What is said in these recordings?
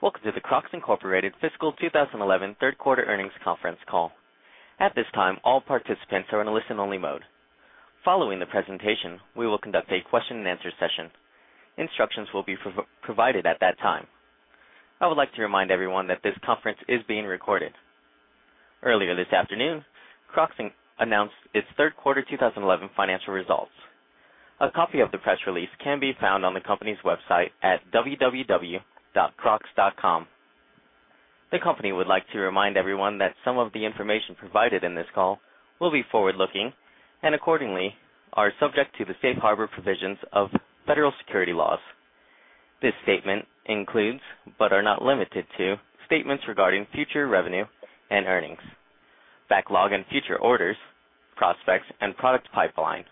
Welcome to the Crocs, Inc. Fiscal 2011 Third Quarter Earnings Conference call. At this time, all participants are in a listen-only mode. Following the presentation, we will conduct a question-and-answer session. Instructions will be provided at that time. I would like to remind everyone that this conference is being recorded. Earlier this afternoon, Crocs, Inc. announced its Third Quarter 2011 financial results. A copy of the press release can be found on the company's website at www.crocs.com. The company would like to remind everyone that some of the information provided in this call will be forward-looking and accordingly are subject to the safe harbor provisions of federal security laws. This statement includes, but is not limited to, statements regarding future revenue and earnings, backlog and future orders, prospects, and product pipeline.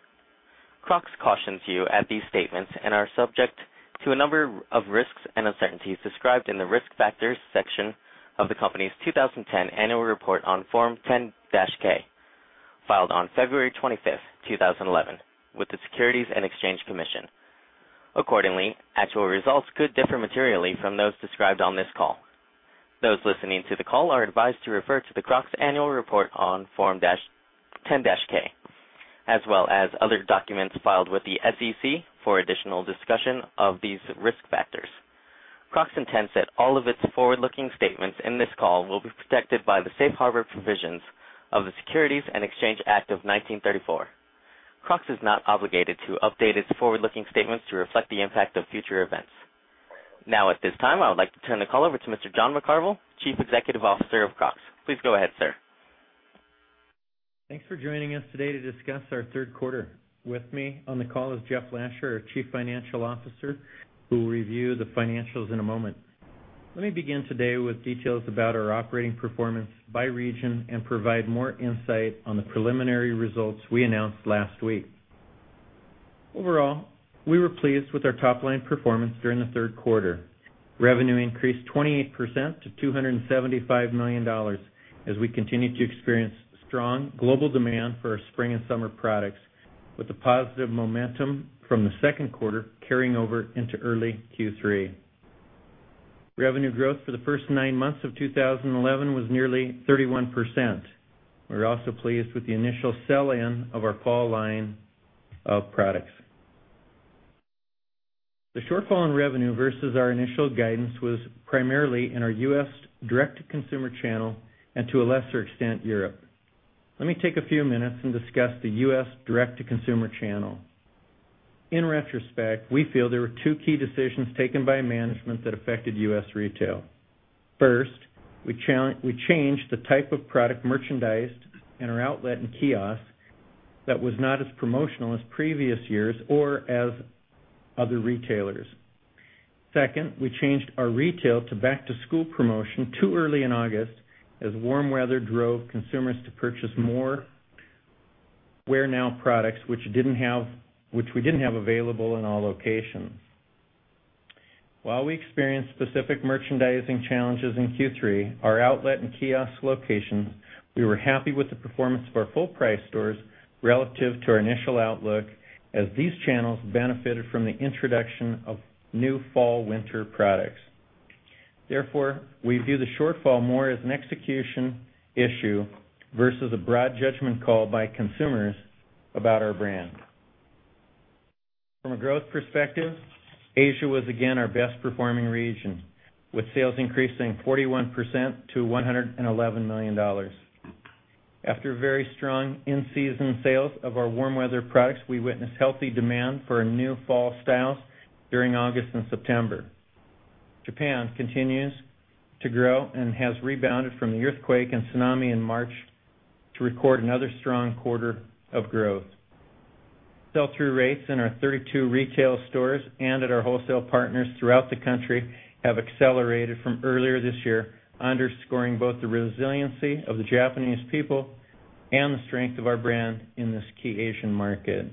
Crocs cautions you that these statements are subject to a number of risks and uncertainties described in the risk factors section of the company's 2010 Annual Report on Form 10-K filed on February 25, 2011, with the Securities and Exchange Commission. Accordingly, actual results could differ materially from those described on this call. Those listening to the call are advised to refer to the Crocs Annual Report on Form 10-K, as well as other documents filed with the SEC for additional discussion of these risk factors. Crocs intends that all of its forward-looking statements in this call will be protected by the safe harbor provisions of the Securities and Exchange Act of 1934. Crocs is not obligated to update its forward-looking statements to reflect the impact of future events. Now, at this time, I would like to turn the call over to Mr. John McCarvel, Chief Executive Officer of Crocs. Please go ahead, sir. Thanks for joining us today to discuss our third quarter. With me on the call is Jeff Lasher, our Chief Financial Officer, who will review the financials in a moment. Let me begin today with details about our operating performance by region and provide more insight on the preliminary results we announced last week. Overall, we were pleased with our top-line performance during the third quarter. Revenue increased 28% to $275 million as we continued to experience strong global demand for our spring and summer products, with the positive momentum from the second quarter carrying over into early Q3. Revenue growth for the first nine months of 2011 was nearly 31%. We were also pleased with the initial sell-in of our fall line of products. The shortfall in revenue versus our initial guidance was primarily in our U.S. direct-to-consumer channel and, to a lesser extent, Europe. Let me take a few minutes and discuss the U.S. direct-to-consumer channel. In retrospect, we feel there were two key decisions taken by management that affected U.S. retail. First, we changed the type of product merchandised in our outlet and kiosk that was not as promotional as previous years or as other retailers. Second, we changed our retail to back-to-school promotion too early in August as warm weather drove consumers to purchase more Wear Now products, which we didn't have available in all locations. While we experienced specific merchandising challenges in Q3, our outlet and kiosk locations, we were happy with the performance of our full-price stores relative to our initial outlook as these channels benefited from the introduction of new fall/winter products. Therefore, we view the shortfall more as an execution issue versus a broad judgment call by consumers about our brand. From a growth perspective, Asia was again our best-performing region, with sales increasing 41% to $111 million. After very strong in-season sales of our warm-weather products, we witnessed healthy demand for our new fall styles during August and September. Japan continues to grow and has rebounded from the earthquake and tsunami in March to record another strong quarter of growth. Sell-through rates in our 32 retail stores and at our wholesale partners throughout the country have accelerated from earlier this year, underscoring both the resiliency of the Japanese people and the strength of our brand in this key Asian market.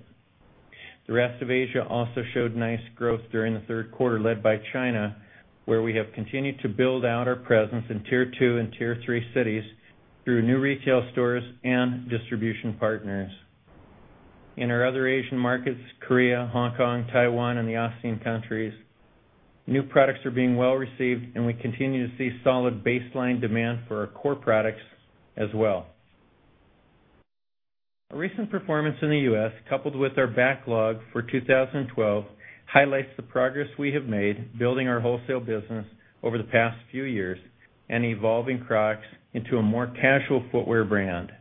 The rest of Asia also showed nice growth during the third quarter, led by China, where we have continued to build out our presence in Tier 2 and Tier 3 cities through new retail stores and distribution partners. In our other Asian markets, Korea, Hong Kong, Taiwan, and the ASEAN countries, new products are being well received, and we continue to see solid baseline demand for our core products as well. A recent performance in the U.S., coupled with our backlog for 2012, highlights the progress we have made building our wholesale business over the past few years and evolving Crocs into a more casual footwear brand.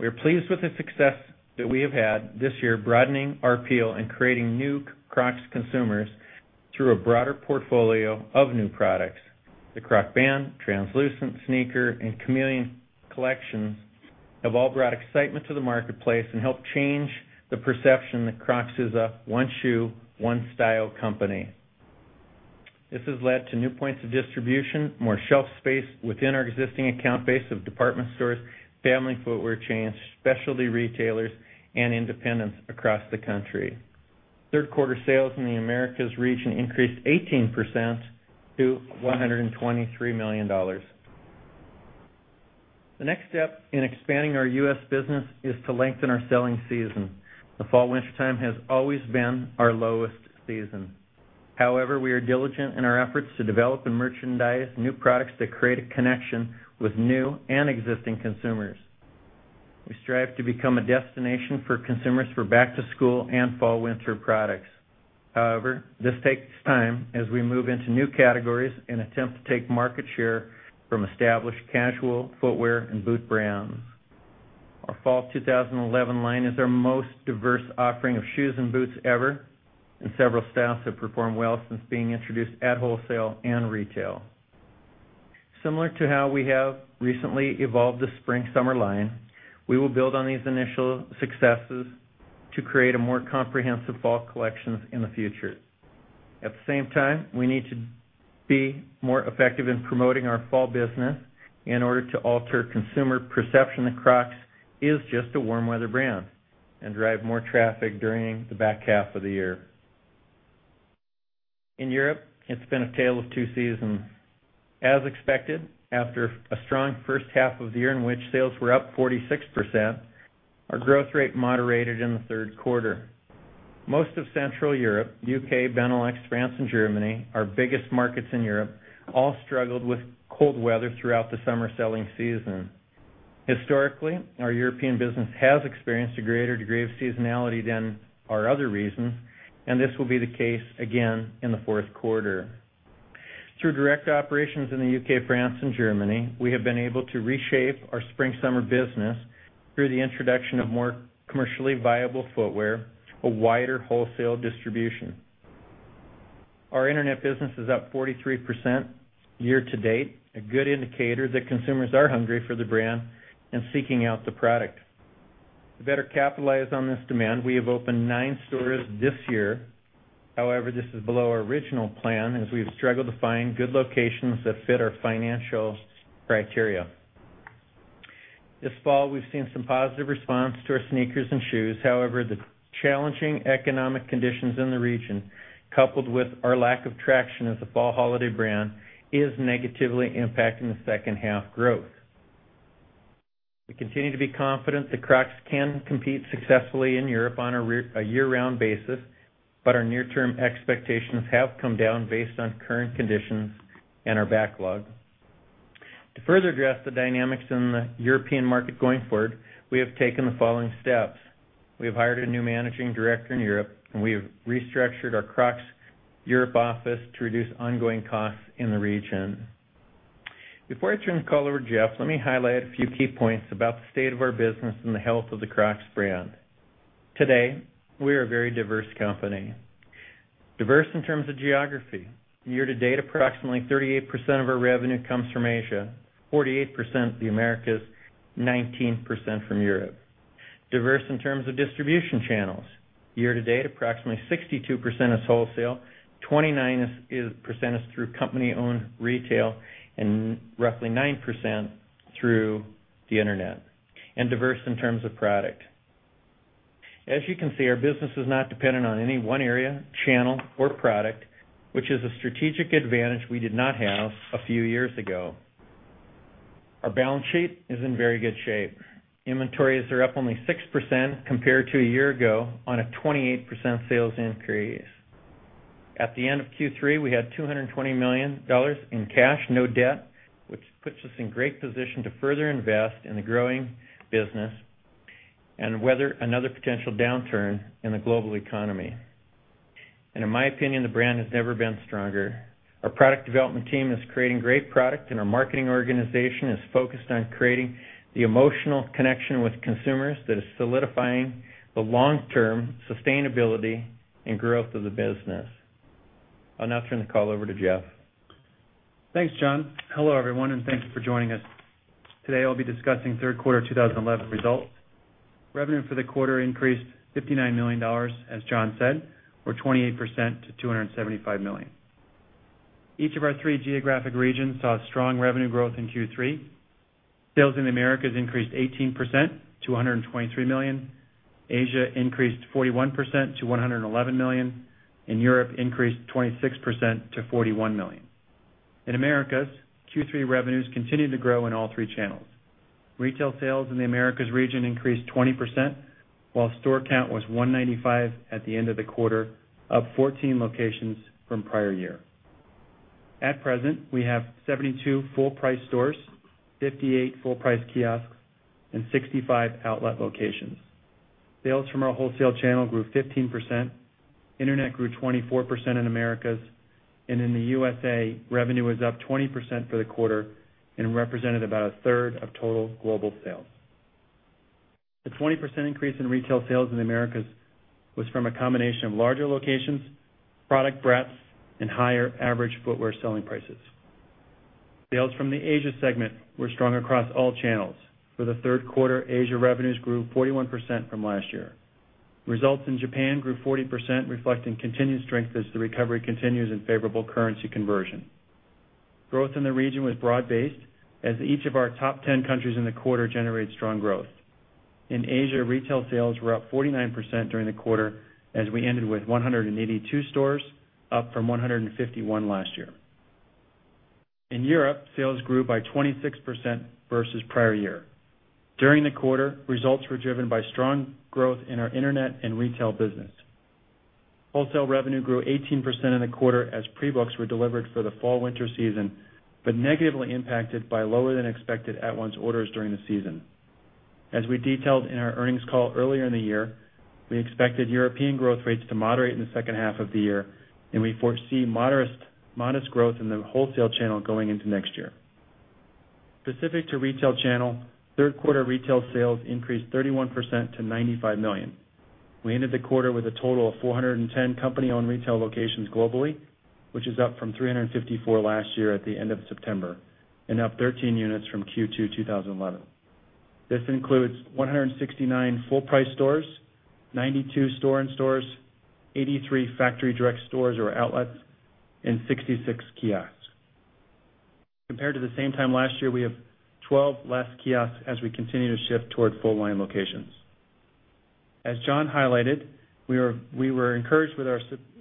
We are pleased with the success that we have had this year, broadening our appeal and creating new Crocs consumers through a broader portfolio of new products. The Crocs Band, Translucent, Sneaker, and Chameleon collections have all brought excitement to the marketplace and helped change the perception that Crocs is a one-shoe, one-style company. This has led to new points of distribution, more shelf space within our existing account base of department stores, family footwear chains, specialty retailers, and independents across the country. Third quarter sales in the Americas region increased 18% to $123 million. The next step in expanding our U.S. business is to lengthen our selling season. The fall/winter time has always been our lowest season. However, we are diligent in our efforts to develop and merchandise new products that create a connection with new and existing consumers. We strive to become a destination for consumers for back-to-school and fall/winter products. However, this takes time as we move into new categories and attempt to take market share from established casual footwear and boot brands. Our Fall 2011 line is our most diverse offering of shoes and boots ever, and several styles have performed well since being introduced at wholesale and retail. Similar to how we have recently evolved the spring/summer line, we will build on these initial successes to create more comprehensive fall collections in the future. At the same time, we need to be more effective in promoting our fall business in order to alter consumer perception that Crocs is just a warm-weather brand and drive more traffic during the back half of the year. In Europe, it's been a tale of two seasons. As expected, after a strong first half of the year in which sales were up 46%, our growth rate moderated in the third quarter. Most of Central Europe, the U.K., Benelux, France, and Germany, our biggest markets in Europe, all struggled with cold weather throughout the summer selling season. Historically, our European business has experienced a greater degree of seasonality than our other regions, and this will be the case again in the fourth quarter. Through direct operations in the U.K., France, and Germany, we have been able to reshape our spring/summer business through the introduction of more commercially viable footwear and wider wholesale distribution. Our Internet business is up 43% year to date, a good indicator that consumers are hungry for the brand and seeking out the product. To better capitalize on this demand, we have opened nine stores this year. However, this is below our original plan as we have struggled to find good locations that fit our financial criteria. This fall, we've seen some positive response to our sneakers and shoes. However, the challenging economic conditions in the region, coupled with our lack of traction as a fall holiday brand, are negatively impacting the second half growth. We continue to be confident that Crocs can compete successfully in Europe on a year-round basis, but our near-term expectations have come down based on current conditions and our backlog. To further address the dynamics in the European market going forward, we have taken the following steps. We have hired a new Managing Director in Europe, and we have restructured our Crocs Europe office to reduce ongoing costs in the region. Before I turn the call over to Jeff, let me highlight a few key points about the state of our business and the health of the Crocs brand. Today, we are a very diverse company. Diverse in terms of geography. Year to date, approximately 38% of our revenue comes from Asia, 48% from the Americas, 19% from Europe. Diverse in terms of distribution channels. Year to date, approximately 62% is wholesale, 29% is through company-owned retail, and roughly 9% through the Internet. Diverse in terms of product. As you can see, our business is not dependent on any one area, channel, or product, which is a strategic advantage we did not have a few years ago. Our balance sheet is in very good shape. Inventories are up only 6% compared to a year ago on a 28% sales increase. At the end of Q3, we had $220 million in cash, no debt, which puts us in a great position to further invest in the growing business and weather another potential downturn in the global economy. In my opinion, the brand has never been stronger. Our product development team is creating great product, and our marketing organization is focused on creating the emotional connection with consumers that is solidifying the long-term sustainability and growth of the business. I'll now turn the call over to Jeff. Thanks, John. Hello, everyone, and thank you for joining us. Today, I'll be discussing Third Quarter 2011 results. Revenue for the quarter increased $59 million, as John said, or 28% to $275 million. Each of our three geographic regions saw strong revenue growth in Q3. Sales in the Americas increased 18% to $123 million. Asia increased 41% to $111 million, and Europe increased 26% to $41 million. In the Americas, Q3 revenues continued to grow in all three channels. Retail sales in the Americas region increased 20%, while store count was 195 at the end of the quarter, up 14 locations from prior year. At present, we have 72 full-price stores, 58 full-price kiosks, and 65 outlet locations. Sales from our wholesale channel grew 15%, Internet grew 24% in the Americas, and in the U.S., revenue was up 20% for the quarter and represented about a third of total global sales. The 20% increase in retail sales in the Americas was from a combination of larger locations, product breadths, and higher average footwear selling prices. Sales from the Asia segment were strong across all channels, where the third quarter Asia revenues grew 41% from last year. Results in Japan grew 40%, reflecting continued strength as the recovery continues in favorable currency conversion. Growth in the region was broad-based as each of our top 10 countries in the quarter generated strong growth. In Asia, retail sales were up 49% during the quarter as we ended with 182 stores, up from 151 last year. In Europe, sales grew by 26% versus prior year. During the quarter, results were driven by strong growth in our Internet and retail business. Wholesale revenue grew 18% in the quarter as pre-books were delivered for the fall/winter season, but negatively impacted by lower-than-expected at-once orders during the season. As we detailed in our earnings call earlier in the year, we expected European growth rates to moderate in the second half of the year, and we foresee modest growth in the wholesale channel going into next year. Specific to retail channel, third quarter retail sales increased 31% to $95 million. We ended the quarter with a total of 410 company-owned retail locations globally, which is up from 354 last year at the end of September and up 13 units from Q2 2011. This includes 169 full-price stores, 92 store-in stores, 83 factory-direct stores or outlets, and 66 kiosks. Compared to the same time last year, we have 12 less kiosks as we continue to shift toward full-line locations. As John McCarvel highlighted, we were encouraged with our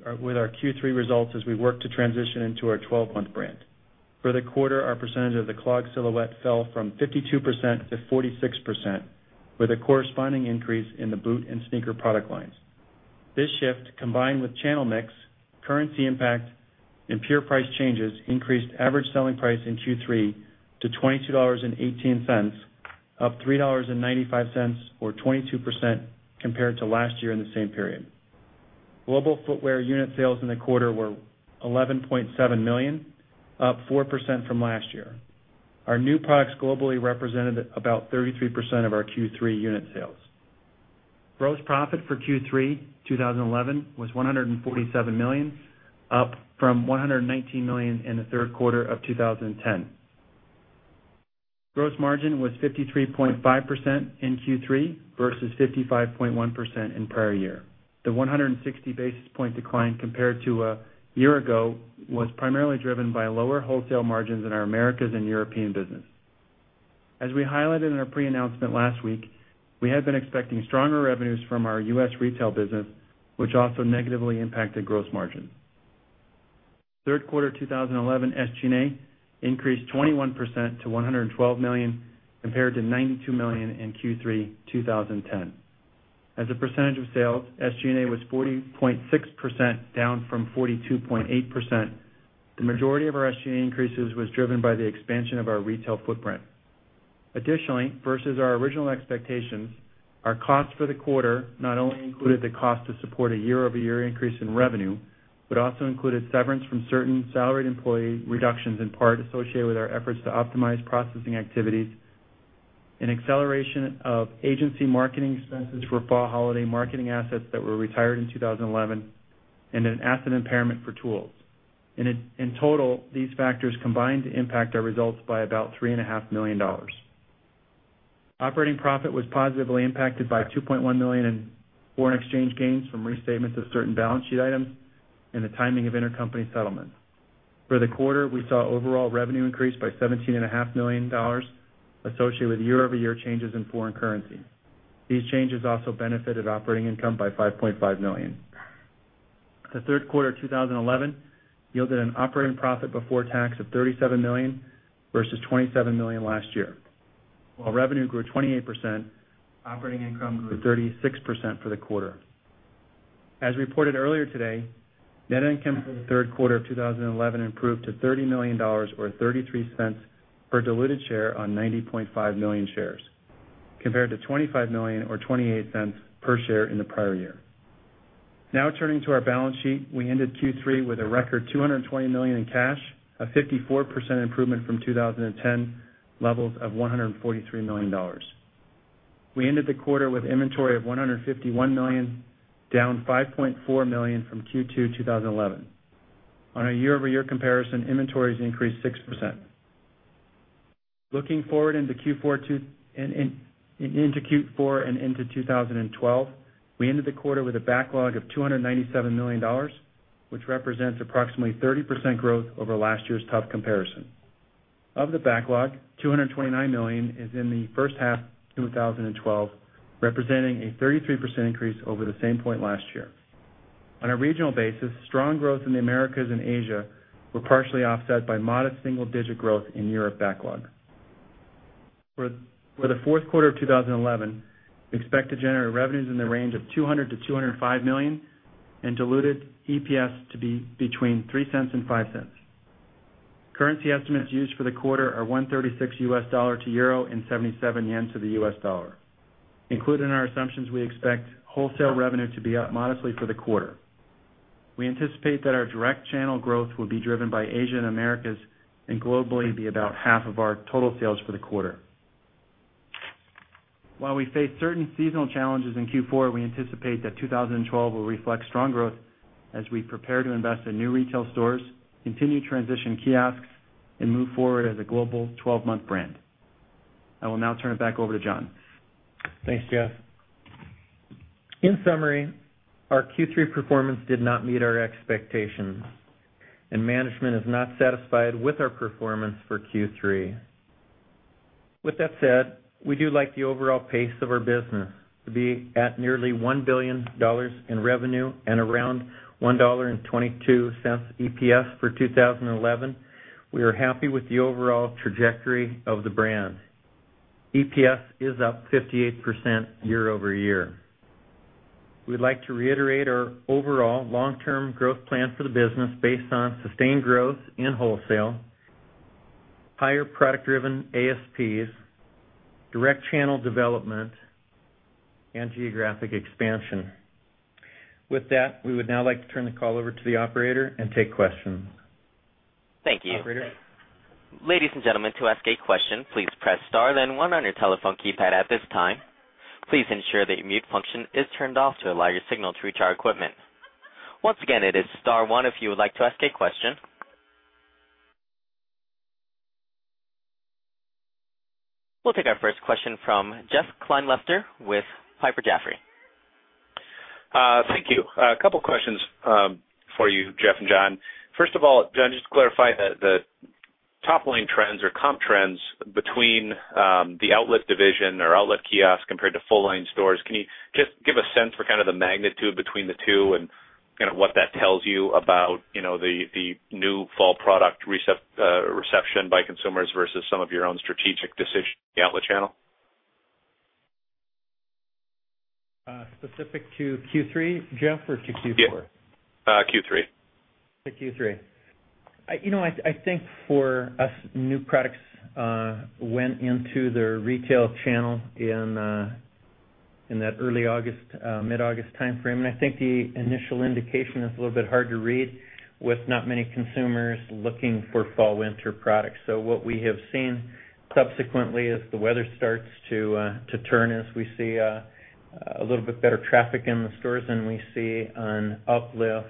Q3 results as we worked to transition into our 12-month brand. For the quarter, our percentage of the clog silhouette fell from 52% to 46%, with a corresponding increase in the boot and sneaker product lines. This shift, combined with channel mix, currency impact, and pure price changes, increased average selling price in Q3 to $22.18, up $3.95, or 22% compared to last year in the same period. Global footwear unit sales in the quarter were 11.7 million, up 4% from last year. Our new products globally represented about 33% of our Q3 unit sales. Gross profit for Q3 2011 was $147 million, up from $119 million in the third quarter of 2010. Gross margin was 53.5% in Q3 versus 55.1% in prior year. The 160 basis point decline compared to a year ago was primarily driven by lower wholesale margins in our Americas and European business. As we highlighted in our pre-announcement last week, we had been expecting stronger revenues from our U.S. retail business, which also negatively impacted gross margins. Third quarter 2011 SG&A increased 21% to $112 million compared to $92 million in Q3 2010. As a percentage of sales, SG&A was 40.6%, down from 42.8%. The majority of our SG&A increases was driven by the expansion of our retail footprint. Additionally, versus our original expectations, our costs for the quarter not only included the cost to support a year-over-year increase in revenue, but also included severance from certain salaried employees, reductions in part associated with our efforts to optimize processing activities, an acceleration of agency marketing expenses for fall holiday marketing assets that were retired in 2011, and an asset impairment for tools. In total, these factors combined impact our results by about $3.5 million. Operating profit was positively impacted by $2.1 million in foreign exchange gains from restatements of certain balance sheet items and the timing of intercompany settlement. For the quarter, we saw overall revenue increase by $17.5 million associated with year-over-year changes in foreign currency. These changes also benefited operating income by $5.5 million. The third quarter 2011 yielded an operating profit before tax of $37 million versus $27 million last year. While revenue grew 28%, operating income grew 36% for the quarter. As reported earlier today, net income for the third quarter of 2011 improved to $30 million, or $0.33 per diluted share on 90.5 million shares, compared to $25 million, or $0.28 per share in the prior year. Now, turning to our balance sheet, we ended Q3 with a record $220 million in cash, a 54% improvement from 2010 levels of $143 million. We ended the quarter with inventory of $151 million, down $5.4 million from Q2 2011. On a year-over-year comparison, inventories increased 6%. Looking forward into Q4 and into 2012, we ended the quarter with a backlog of $297 million, which represents approximately 30% growth over last year's tough comparison. Of the backlog, $229 million is in the first half of 2012, representing a 33% increase over the same point last year. On a regional basis, strong growth in the Americas and Asia was partially offset by modest single-digit growth in Europe backlog. For the fourth quarter of 2011, we expect to generate revenues in the range of $200million-$205 million and diluted EPS to be between $0.03 and $0.05. Currency estimates used for the quarter are $1.36 USD to Euro and 77 Yen to the USD. Included in our assumptions, we expect wholesale revenue to be up modestly for the quarter. We anticipate that our direct channel growth will be driven by Asia and Americas and globally be about half of our total sales for the quarter. While we face certain seasonal challenges in Q4, we anticipate that 2012 will reflect strong growth as we prepare to invest in new retail stores, continue transition kiosks, and move forward as a global 12-month brand. I will now turn it back over to John. Thanks, Jeff. In summary, our Q3 performance did not meet our expectations, and management is not satisfied with our performance for Q3. With that said, we do like the overall pace of our business to be at nearly $1 billion in revenue and around $1.22 EPS for 2011. We are happy with the overall trajectory of the brand. EPS is up 58% year-over-year. We would like to reiterate our overall long-term growth plan for the business based on sustained growth in wholesale, higher product-driven ASPs, direct channel development, and geographic expansion. With that, we would now like to turn the call over to the operator and take questions. Thank you. Ladies and gentlemen, to ask a question, please press star then one on your telephone keypad at this time. Please ensure that your mute function is turned off to allow your signal to reach our equipment. Once again, it is star one if you would like to ask a question. We'll take our first question from Jeff Klinefelter with Piper Jaffray. Thank you. A couple of questions for you, Jeff and John. First of all, John, just to clarify the top-line trends or comp trends between the outlet division or outlet kiosk locations compared to full-line stores, can you just give a sense for kind of the magnitude between the two and kind of what that tells you about the new fall product reception by consumers versus some of your own strategic decisions in the outlet channel? Specific to Q3, Jeff, or to Q4? Q3. To Q3. I think for us, new products went into the retail channel in that early August, mid-August timeframe. I think the initial indication is a little bit hard to read with not many consumers looking for fall/winter products. What we have seen subsequently is the weather starts to turn as we see a little bit better traffic in the stores, and we see an uplift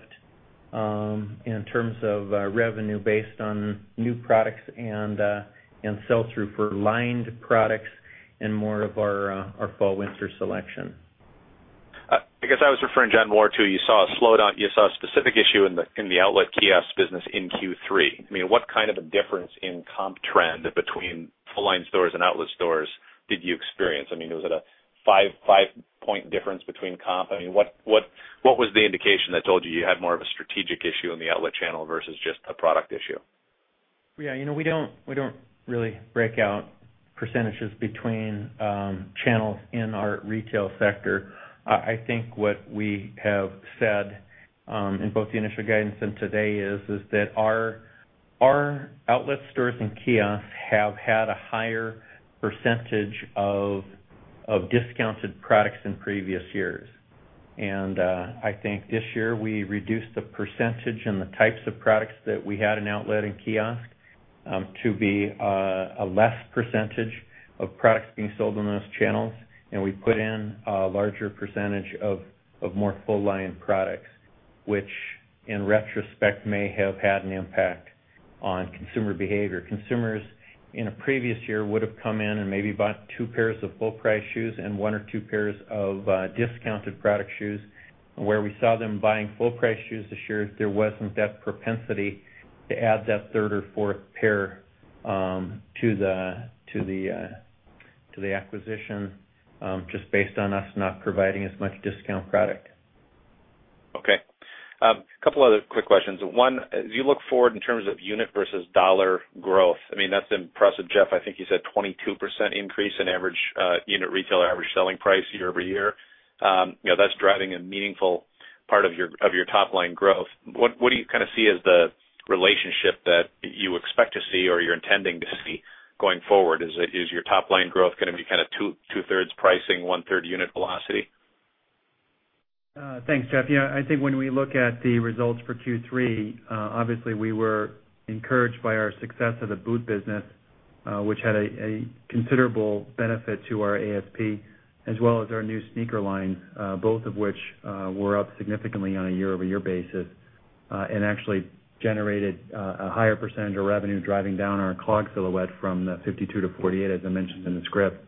in terms of revenue based on new products and sell-through for lined products and more of our fall/winter selection. I guess I was referring, John, more to you saw a slowdown. You saw a specific issue in the outlet kiosk business in Q3. I mean, what kind of a difference in comp trend between full-line stores and outlet stores did you experience? I mean, was it a five-point difference between comp? I mean, what was the indication that told you you had more of a strategic issue in the outlet channel versus just a product issue? Yeah, you know we don't really break out % between channels in our retail sector. I think what we have said in both the initial guidance and today is that our outlet stores and kiosk locations have had a higher % of discounted products in previous years. I think this year we reduced the % and the types of products that we had in outlet and kiosk locations to be a less % of products being sold in those channels, and we put in a larger % of more full-line products, which in retrospect may have had an impact on consumer behavior. Consumers in a previous year would have come in and maybe bought two pairs of full-price shoes and one or two pairs of discounted product shoes. Where we saw them buying full-price shoes this year, there wasn't that propensity to add that third or fourth pair to the acquisition just based on us not providing as much discount product. Okay. A couple of other quick questions. One, as you look forward in terms of unit versus dollar growth, I mean, that's impressive, Jeff. I think you said a 22% increase in average unit retail or average selling price year over year. You know that's driving a meaningful part of your top-line growth. What do you kind of see as the relationship that you expect to see or you're intending to see going forward? Is your top-line growth going to be kind of two-thirds pricing, one-third unit velocity? Thanks, Jeff. I think when we look at the results for Q3, obviously we were encouraged by our success of the boot business, which had a considerable benefit to our ASP, as well as our new sneaker lines, both of which were up significantly on a year-over-year basis and actually generated a higher percentage of revenue driving down our clog silhouette from 52% to 48%, as I mentioned in the script.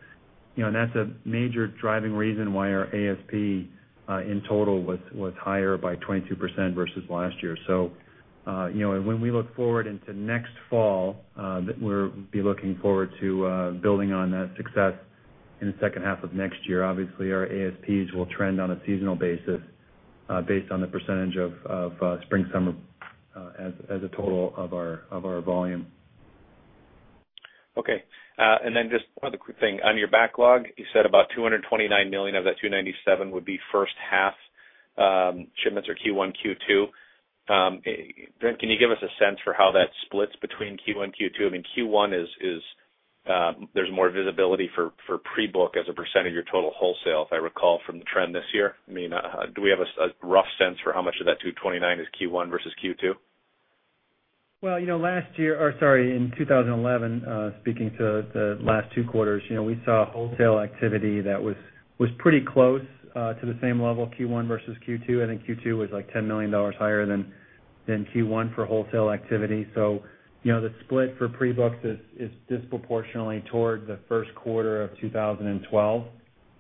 That's a major driving reason why our ASP in total was higher by 22% versus last year. When we look forward into next fall, we'll be looking forward to building on that success in the second half of next year. Obviously, our ASPs will trend on a seasonal basis based on the percentage of spring/summer as a total of our volume. Okay. One other quick thing. On your backlog, you said about $229 million of that $297 million would be first half shipments or Q1 and Q2. Brendon, can you give us a sense for how that splits between Q1 and Q2? Q1, there's more visibility for pre-book as a % of your total wholesale, if I recall from the trend this year. Do we have a rough sense for how much of that $229 million is Q1 versus Q2? Last year, or sorry, in 2011, speaking to the last two quarters, we saw wholesale activity that was pretty close to the same level Q1 versus Q2. I think Q2 was like $10 million higher than Q1 for wholesale activity. The split for pre-books is disproportionately toward the first quarter of 2012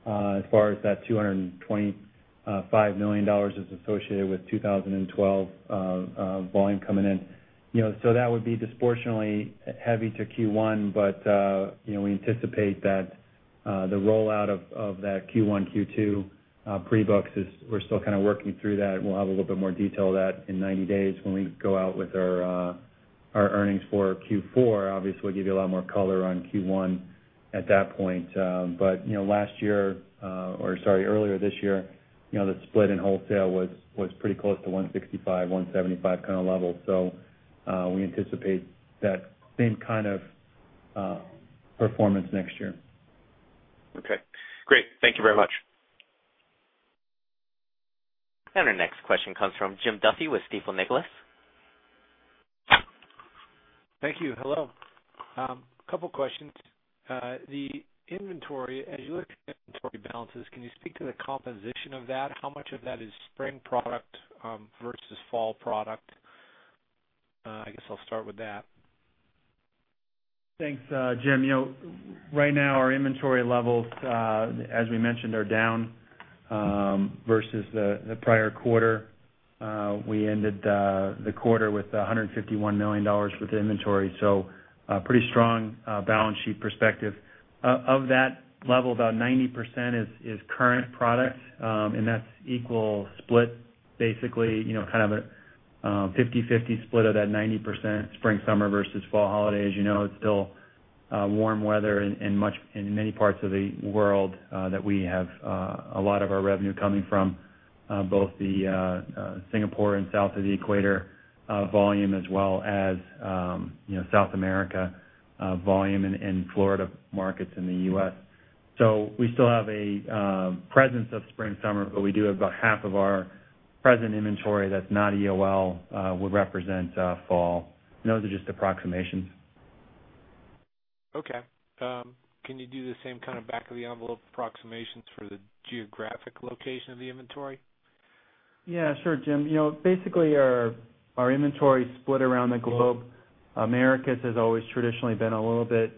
as far as that $225 million is associated with 2012 volume coming in. That would be disproportionately heavy to Q1, but we anticipate that the rollout of that Q1 and Q2 pre-books is we're still kind of working through that. We'll have a little bit more detail of that in 90 days when we go out with our earnings for Q4. Obviously, we'll give you a lot more color on Q1 at that point. Last year, or sorry, earlier this year, the split in wholesale was pretty close to $165 million and $175 million kind of level. We anticipate that same kind of performance next year. Okay. Great. Thank you very much. Our next question comes from Jim Duffy with Stifel Nicolaus. Thank you. Hello. A couple of questions. The inventory, as you look at the inventory balances, can you speak to the composition of that? How much of that is spring product versus fall product? I guess I'll start with that. Thanks, Jim. Right now our inventory levels, as we mentioned, are down versus the prior quarter. We ended the quarter with $151 million in inventory. Pretty strong balance sheet perspective. Of that level, about 90% is current product, and that's an equal split, basically, kind of a 50/50 split of that 90% spring/summer versus fall holidays. It's still warm weather in many parts of the world that we have a lot of our revenue coming from, both the Singapore and south of the equator volume as well as South America volume and Florida markets in the U.S. We still have a presence of spring/summer, but we do have about half of our present inventory that's not EOL would represent fall. Those are just approximations. Okay. Can you do the same kind of back-of-the-envelope approximations for the geographic location of the inventory? Yeah, sure, Jim. Basically, our inventory is split around the globe. Americas has always traditionally been a little bit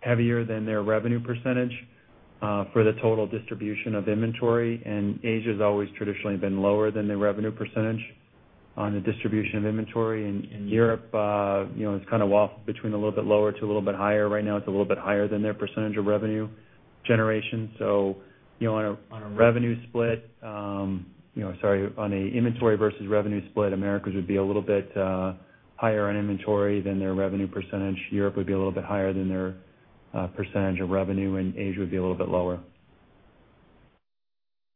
heavier than their revenue % for the total distribution of inventory, and Asia has always traditionally been lower than their revenue % on the distribution of inventory. In Europe, it's kind of waffled between a little bit lower to a little bit higher. Right now, it's a little bit higher than their % of revenue generation. On an inventory versus revenue split, Americas would be a little bit higher on inventory than their revenue %. Europe would be a little bit higher than their % of revenue, and Asia would be a little bit lower.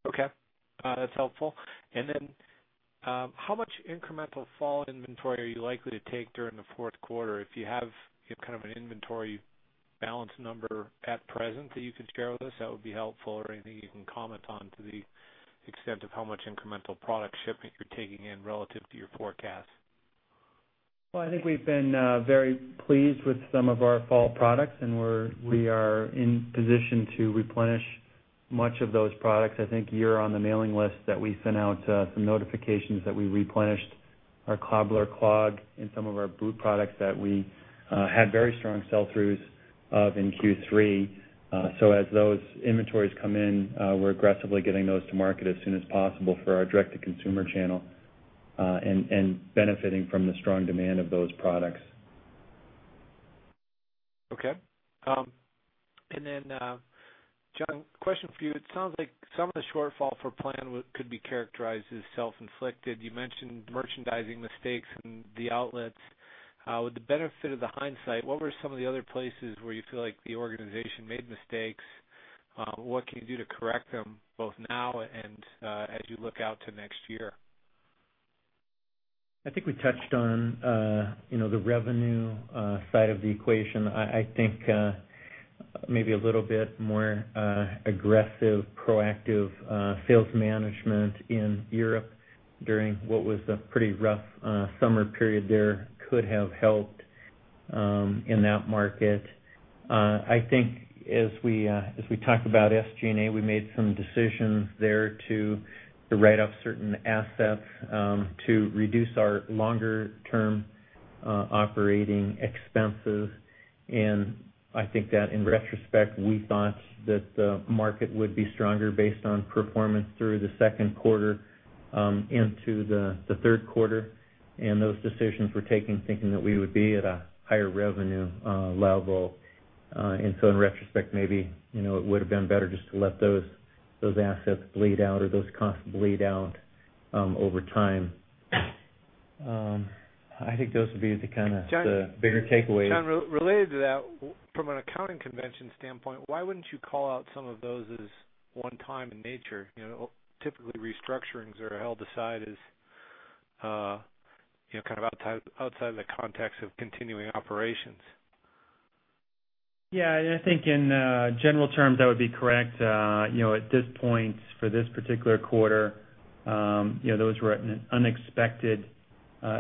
Okay. That's helpful. How much incremental fall inventory are you likely to take during the fourth quarter? If you have kind of an inventory balance number at present that you could share with us, that would be helpful, or anything you can comment on to the extent of how much incremental product shipment you're taking in relative to your forecast? I think we've been very pleased with some of our fall products, and we are in position to replenish much of those products. I think you're on the mailing list that we sent out some notifications that we replenished our cobbler cog in some of our boot products that we had very strong sell-throughs of in Q3. As those inventories come in, we're aggressively getting those to market as soon as possible for our direct-to-consumer channel and benefiting from the strong demand of those products. Okay. John, question for you. It sounds like some of the shortfall for plan could be characterized as self-inflicted. You mentioned merchandising mistakes in the outlet locations. With the benefit of hindsight, what were some of the other places where you feel like the organization made mistakes? What can you do to correct them both now and as you look out to next year? I think we touched on the revenue side of the equation. I think maybe a little bit more aggressive, proactive sales management in Europe during what was a pretty rough summer period there could have helped in that market. I think as we talk about SG&A, we made some decisions there to write off certain assets to reduce our longer-term operating expenses. I think that in retrospect, we thought that the market would be stronger based on performance through the second quarter into the third quarter. Those decisions were taken thinking that we would be at a higher revenue level. In retrospect, maybe it would have been better just to let those assets bleed out or those costs bleed out over time. I think those would be the kind of bigger takeaways. John, related to that, from an accounting convention standpoint, why wouldn't you call out some of those as one-time in nature? Typically, restructurings are held aside as, you know, kind of outside of the context of continuing operations. Yeah, I think in general terms, that would be correct. At this point for this particular quarter, those were an unexpected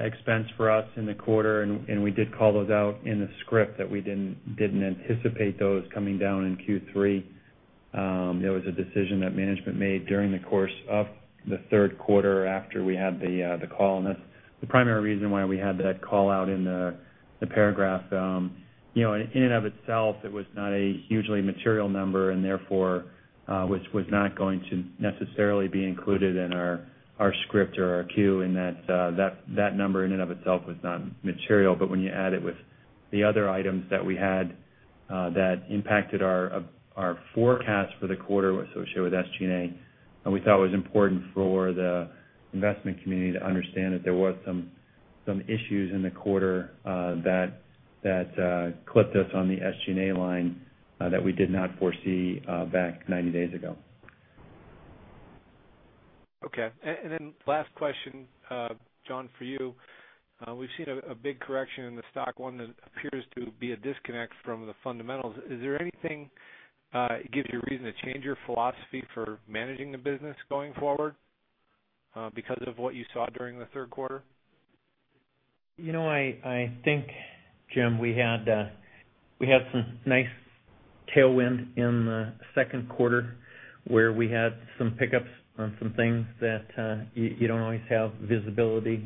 expense for us in the quarter, and we did call those out in the script that we didn't anticipate those coming down in Q3. That was a decision that management made during the course of the third quarter after we had the call. That's the primary reason why we had that call out in the paragraph. In and of itself, it was not a hugely material number, and therefore, it was not going to necessarily be included in our script or our queue in that that number in and of itself was not material. When you add it with the other items that we had that impacted our forecast for the quarter associated with SG&A, we thought it was important for the investment community to understand that there were some issues in the quarter that clipped us on the SG&A line that we did not foresee back 90 days ago. Okay. Last question, John, for you. We've seen a big correction in the stock, one that appears to be a disconnect from the fundamentals. Is there anything that gives you a reason to change your philosophy for managing the business going forward because of what you saw during the third quarter? You know, I think, Jim, we had some nice tailwind in the second quarter where we had some pickups on some things that you don't always have visibility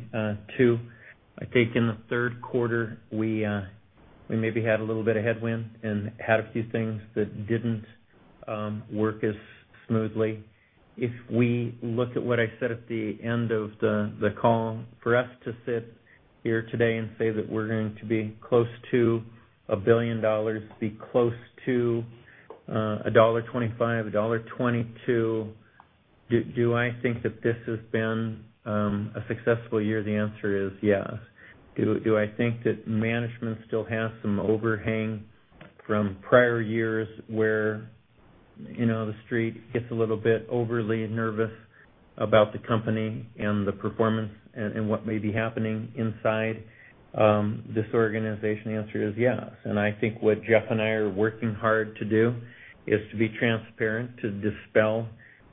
to. I think in the third quarter, we maybe had a little bit of headwind and had a few things that didn't work as smoothly. If we look at what I said at the end of the call, for us to sit here today and say that we're going to be close to $1 billion, be close to $1.25 billion, $1.22 billion, do I think that this has been a successful year? The answer is yes. Do I think that management still has some overhang from prior years where, you know, the street gets a little bit overly nervous about the company and the performance and what may be happening inside this organization? The answer is yes. I think what Jeff and I are working hard to do is to be transparent, to dispel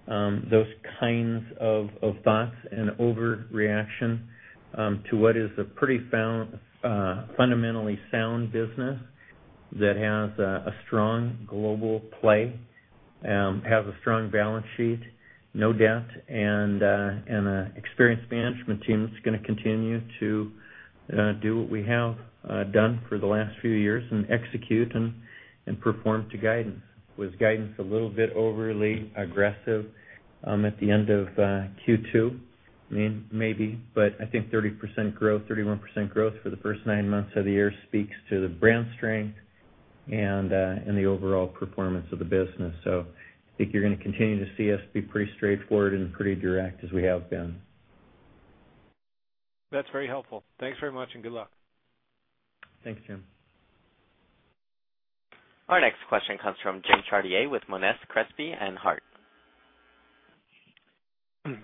those kinds of thoughts and overreaction to what is a pretty fundamentally sound business that has a strong global play, has a strong balance sheet, no debt, and an experienced management team that's going to continue to do what we have done for the last few years and execute and perform to guidance. Was guidance a little bit overly aggressive at the end of Q2? I mean, maybe, but I think 30% growth, 31% growth for the first nine months of the year speaks to the brand strength and the overall performance of the business. I think you're going to continue to see us be pretty straightforward and pretty direct as we have been. That's very helpful. Thanks very much and good luck. Thanks, Jim. Our next question comes from Jim Chartier with Moness, Crespi & Hardt.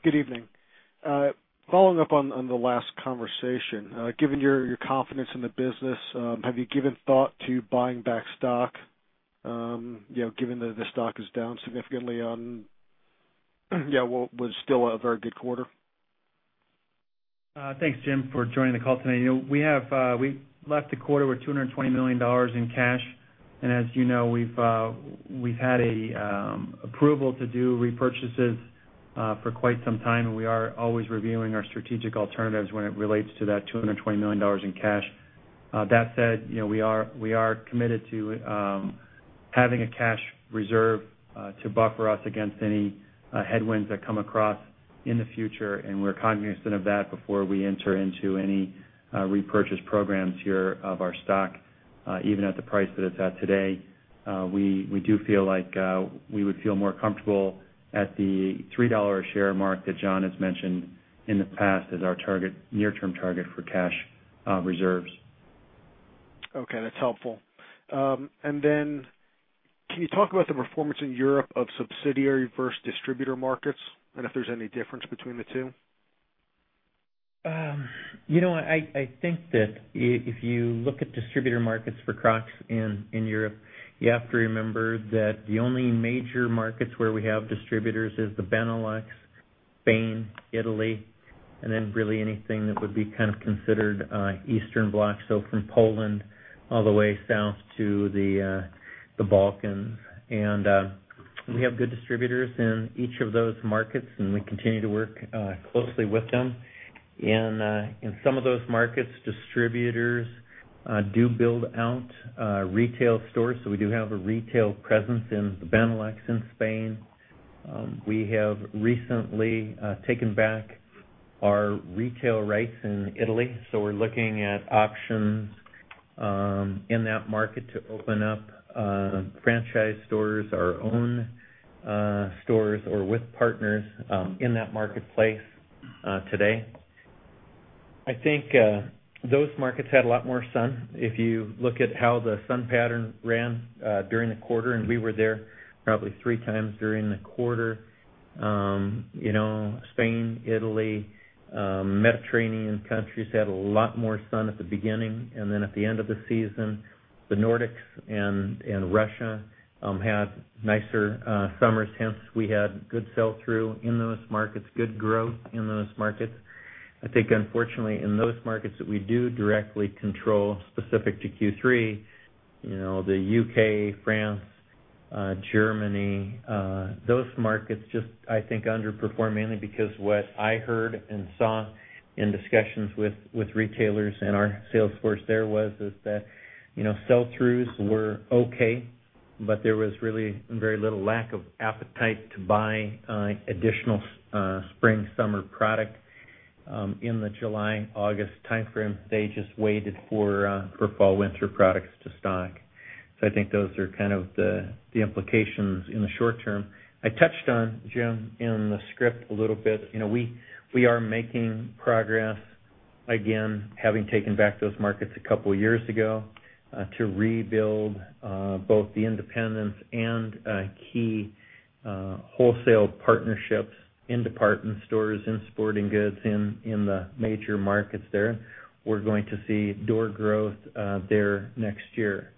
Good evening. Following up on the last conversation, given your confidence in the business, have you given thought to buying back stock, given that the stock is down significantly on what was still a very good quarter? Thanks, Jim, for joining the call today. We have left the quarter with $220 million in cash, and as you know, we've had approval to do repurchases for quite some time, and we are always reviewing our strategic alternatives when it relates to that $220 million in cash. That said, we are committed to having a cash reserve to buffer us against any headwinds that come across in the future, and we're cognizant of that before we enter into any repurchase programs here of our stock, even at the price that it's at today. We do feel like we would feel more comfortable at the $3 a share mark that John has mentioned in the past as our target, near-term target for cash reserves. Okay, that's helpful. Can you talk about the performance in Europe of subsidiary versus distributor markets and if there's any difference between the two? You know, I think that if you look at distributor markets for Crocs in Europe, you have to remember that the only major markets where we have distributors are the Benelux, Spain, Italy, and then really anything that would be kind of considered Eastern blocks, from Poland all the way south to the Balkans. We have good distributors in each of those markets, and we continue to work closely with them. In some of those markets, distributors do build out retail stores, so we do have a retail presence in the Benelux and Spain. We have recently taken back our retail rights in Italy, so we're looking at options in that market to open up franchise stores, our own stores, or with partners in that marketplace today. I think those markets had a lot more sun. If you look at how the sun pattern ran during the quarter, and we were there probably three times during the quarter, Spain, Italy, Mediterranean countries had a lot more sun at the beginning, and then at the end of the season, the Nordics and Russia had nicer summers, hence we had good sell-through in those markets, good growth in those markets. Unfortunately, in those markets that we do directly control specific to Q3, the U.K., France, Germany, those markets just, I think, underperform mainly because what I heard and saw in discussions with retailers and our sales force there was that sell-throughs were okay, but there was really very little lack of appetite to buy additional spring/summer product in the July/August timeframe. They just waited for fall/winter products to stock. I think those are kind of the implications in the short term. I touched on, Jim, in the script a little bit, we are making progress again, having taken back those markets a couple of years ago to rebuild both the independence and key wholesale partnerships in department stores, in sporting goods, in the major markets there. We're going to see door growth there next year.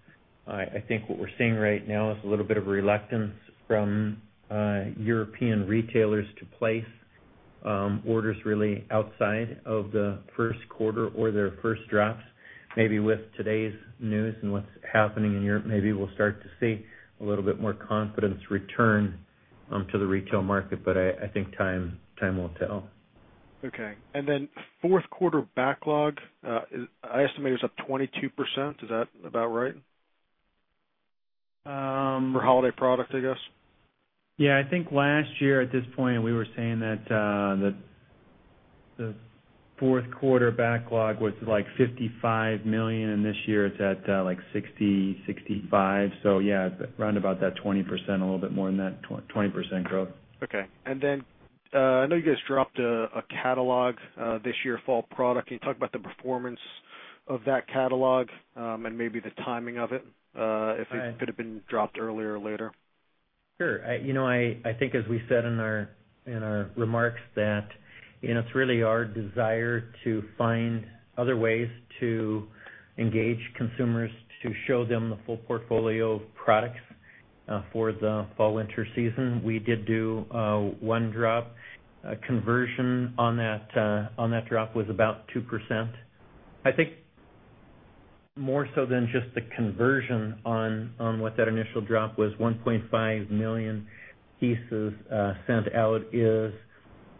I think what we're seeing right now is a little bit of reluctance from European retailers to place orders really outside of the first quarter or their first drops. Maybe with today's news and what's happening in Europe, maybe we'll start to see a little bit more confidence return to the retail market, but I think time will tell. Okay. Fourth quarter backlog, I estimate it was up 22%. Is that about right? For holiday product, I guess? Yeah, I think last year at this point, we were saying that the fourth quarter backlog was like $55 million, and this year it's at like $60 million, $65 million. Yeah, round about that 20%, a little bit more than that 20% growth. Okay. I know you guys dropped a catalog this year, fall product. Can you talk about the performance of that catalog and maybe the timing of it if it could have been dropped earlier or later? Sure. I think as we said in our remarks, it's really our desire to find other ways to engage consumers, to show them the full portfolio of products for the fall/winter season. We did do one drop. Conversion on that drop was about 2%. I think more so than just the conversion on what that initial drop was, $1.5 million pieces sent out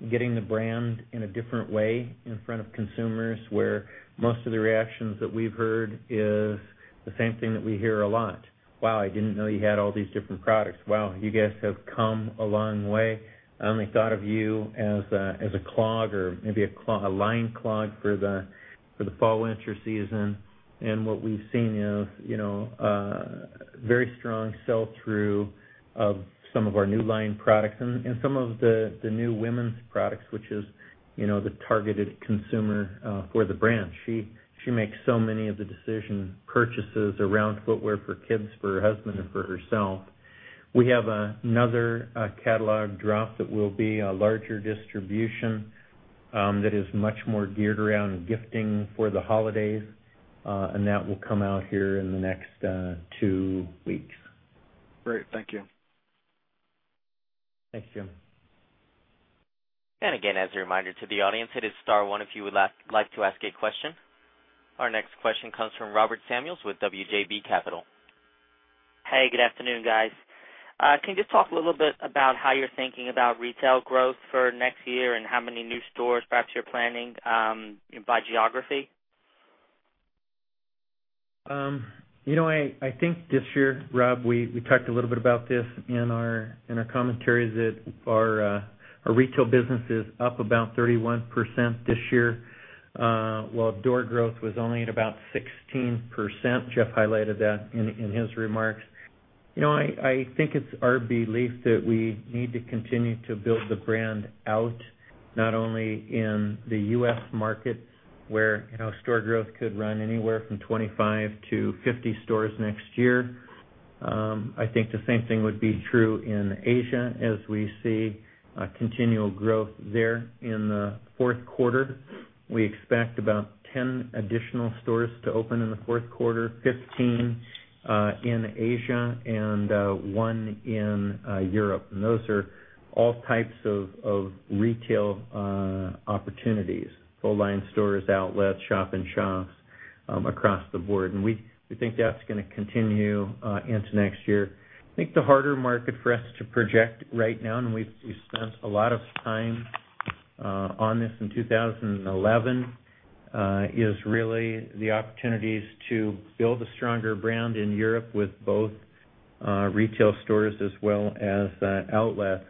is getting the brand in a different way in front of consumers where most of the reactions that we've heard are the same thing that we hear a lot. "Wow, I didn't know you had all these different products. Wow, you guys have come a long way. I only thought of you as a clog or maybe a lined clog for the fall/winter season. What we've seen is very strong sell-through of some of our new line products and some of the new women's products, which is the targeted consumer for the brand. She makes so many of the decision purchases around footwear for kids, for her husband, and for herself. We have another catalog drop that will be a larger distribution that is much more geared around gifting for the holidays, and that will come out here in the next two weeks. Great. Thank you. Thanks, Jim. As a reminder to the audience, it is star one if you would like to ask a question. Our next question comes from Robert Samuels with WJB Capital. Hey, good afternoon, guys. Can you just talk a little bit about how you're thinking about retail growth for next year and how many new stores perhaps you're planning by geography? You know, I think this year, Rob, we talked a little bit about this in our commentaries that our retail business is up about 31% this year, while door growth was only at about 16%. Jeff highlighted that in his remarks. You know, I think it's our belief that we need to continue to build the brand out, not only in the U.S. market where, you know, store growth could run anywhere from 25 to 50 stores next year. I think the same thing would be true in Asia as we see continual growth there. In the fourth quarter, we expect about 10 additional stores to open in the fourth quarter, 15 in Asia, and one in Europe. Those are all types of retail opportunities, full-line stores, outlets, shop and shops across the board. We think that's going to continue into next year. I think the harder market for us to project right now, and we've spent a lot of time on this in 2011, is really the opportunities to build a stronger brand in Europe with both retail stores as well as outlets.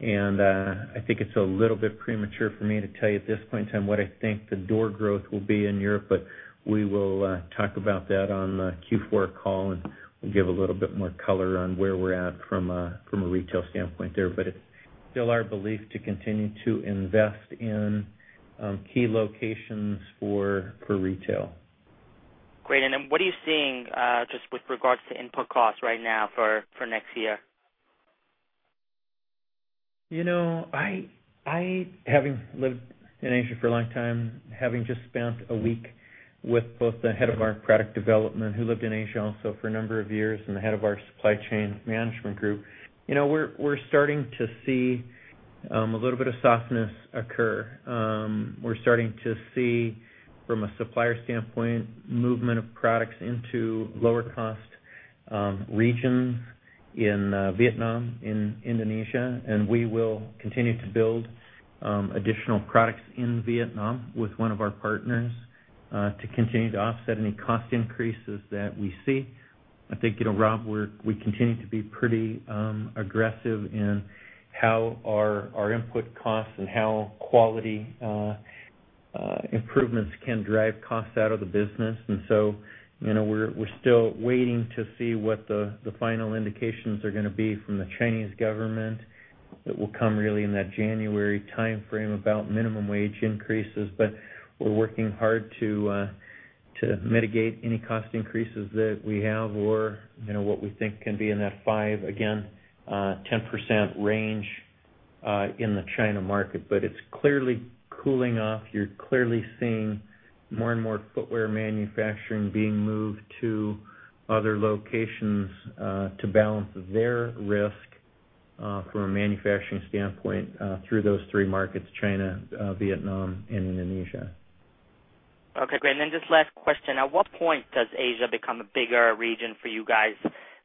I think it's a little bit premature for me to tell you at this point in time what I think the door growth will be in Europe, but we will talk about that on the Q4 call and give a little bit more color on where we're at from a retail standpoint there. It's still our belief to continue to invest in key locations for retail. Great. What are you seeing just with regards to input costs right now for next year? I haven't lived in Asia for a long time, having just spent a week with both the Head of our Product Development, who lived in Asia also for a number of years, and the Head of our Supply Chain Management group. We're starting to see a little bit of softness occur. We're starting to see, from a supplier standpoint, movement of products into lower-cost regions in Vietnam and Indonesia, and we will continue to build additional products in Vietnam with one of our partners to continue to offset any cost increases that we see. I think, Rob, we continue to be pretty aggressive in how our input costs and how quality improvements can drive costs out of the business. We're still waiting to see what the final indications are going to be from the Chinese government. It will come really in that January timeframe about minimum wage increases, but we're working hard to mitigate any cost increases that we have or what we think can be in that 5%, again, 10% range in the China market. It's clearly cooling off. You're clearly seeing more and more footwear manufacturing being moved to other locations to balance their risk from a manufacturing standpoint through those three markets: China, Vietnam, and Indonesia. Okay, great. Just last question. At what point does Asia become a bigger region for you guys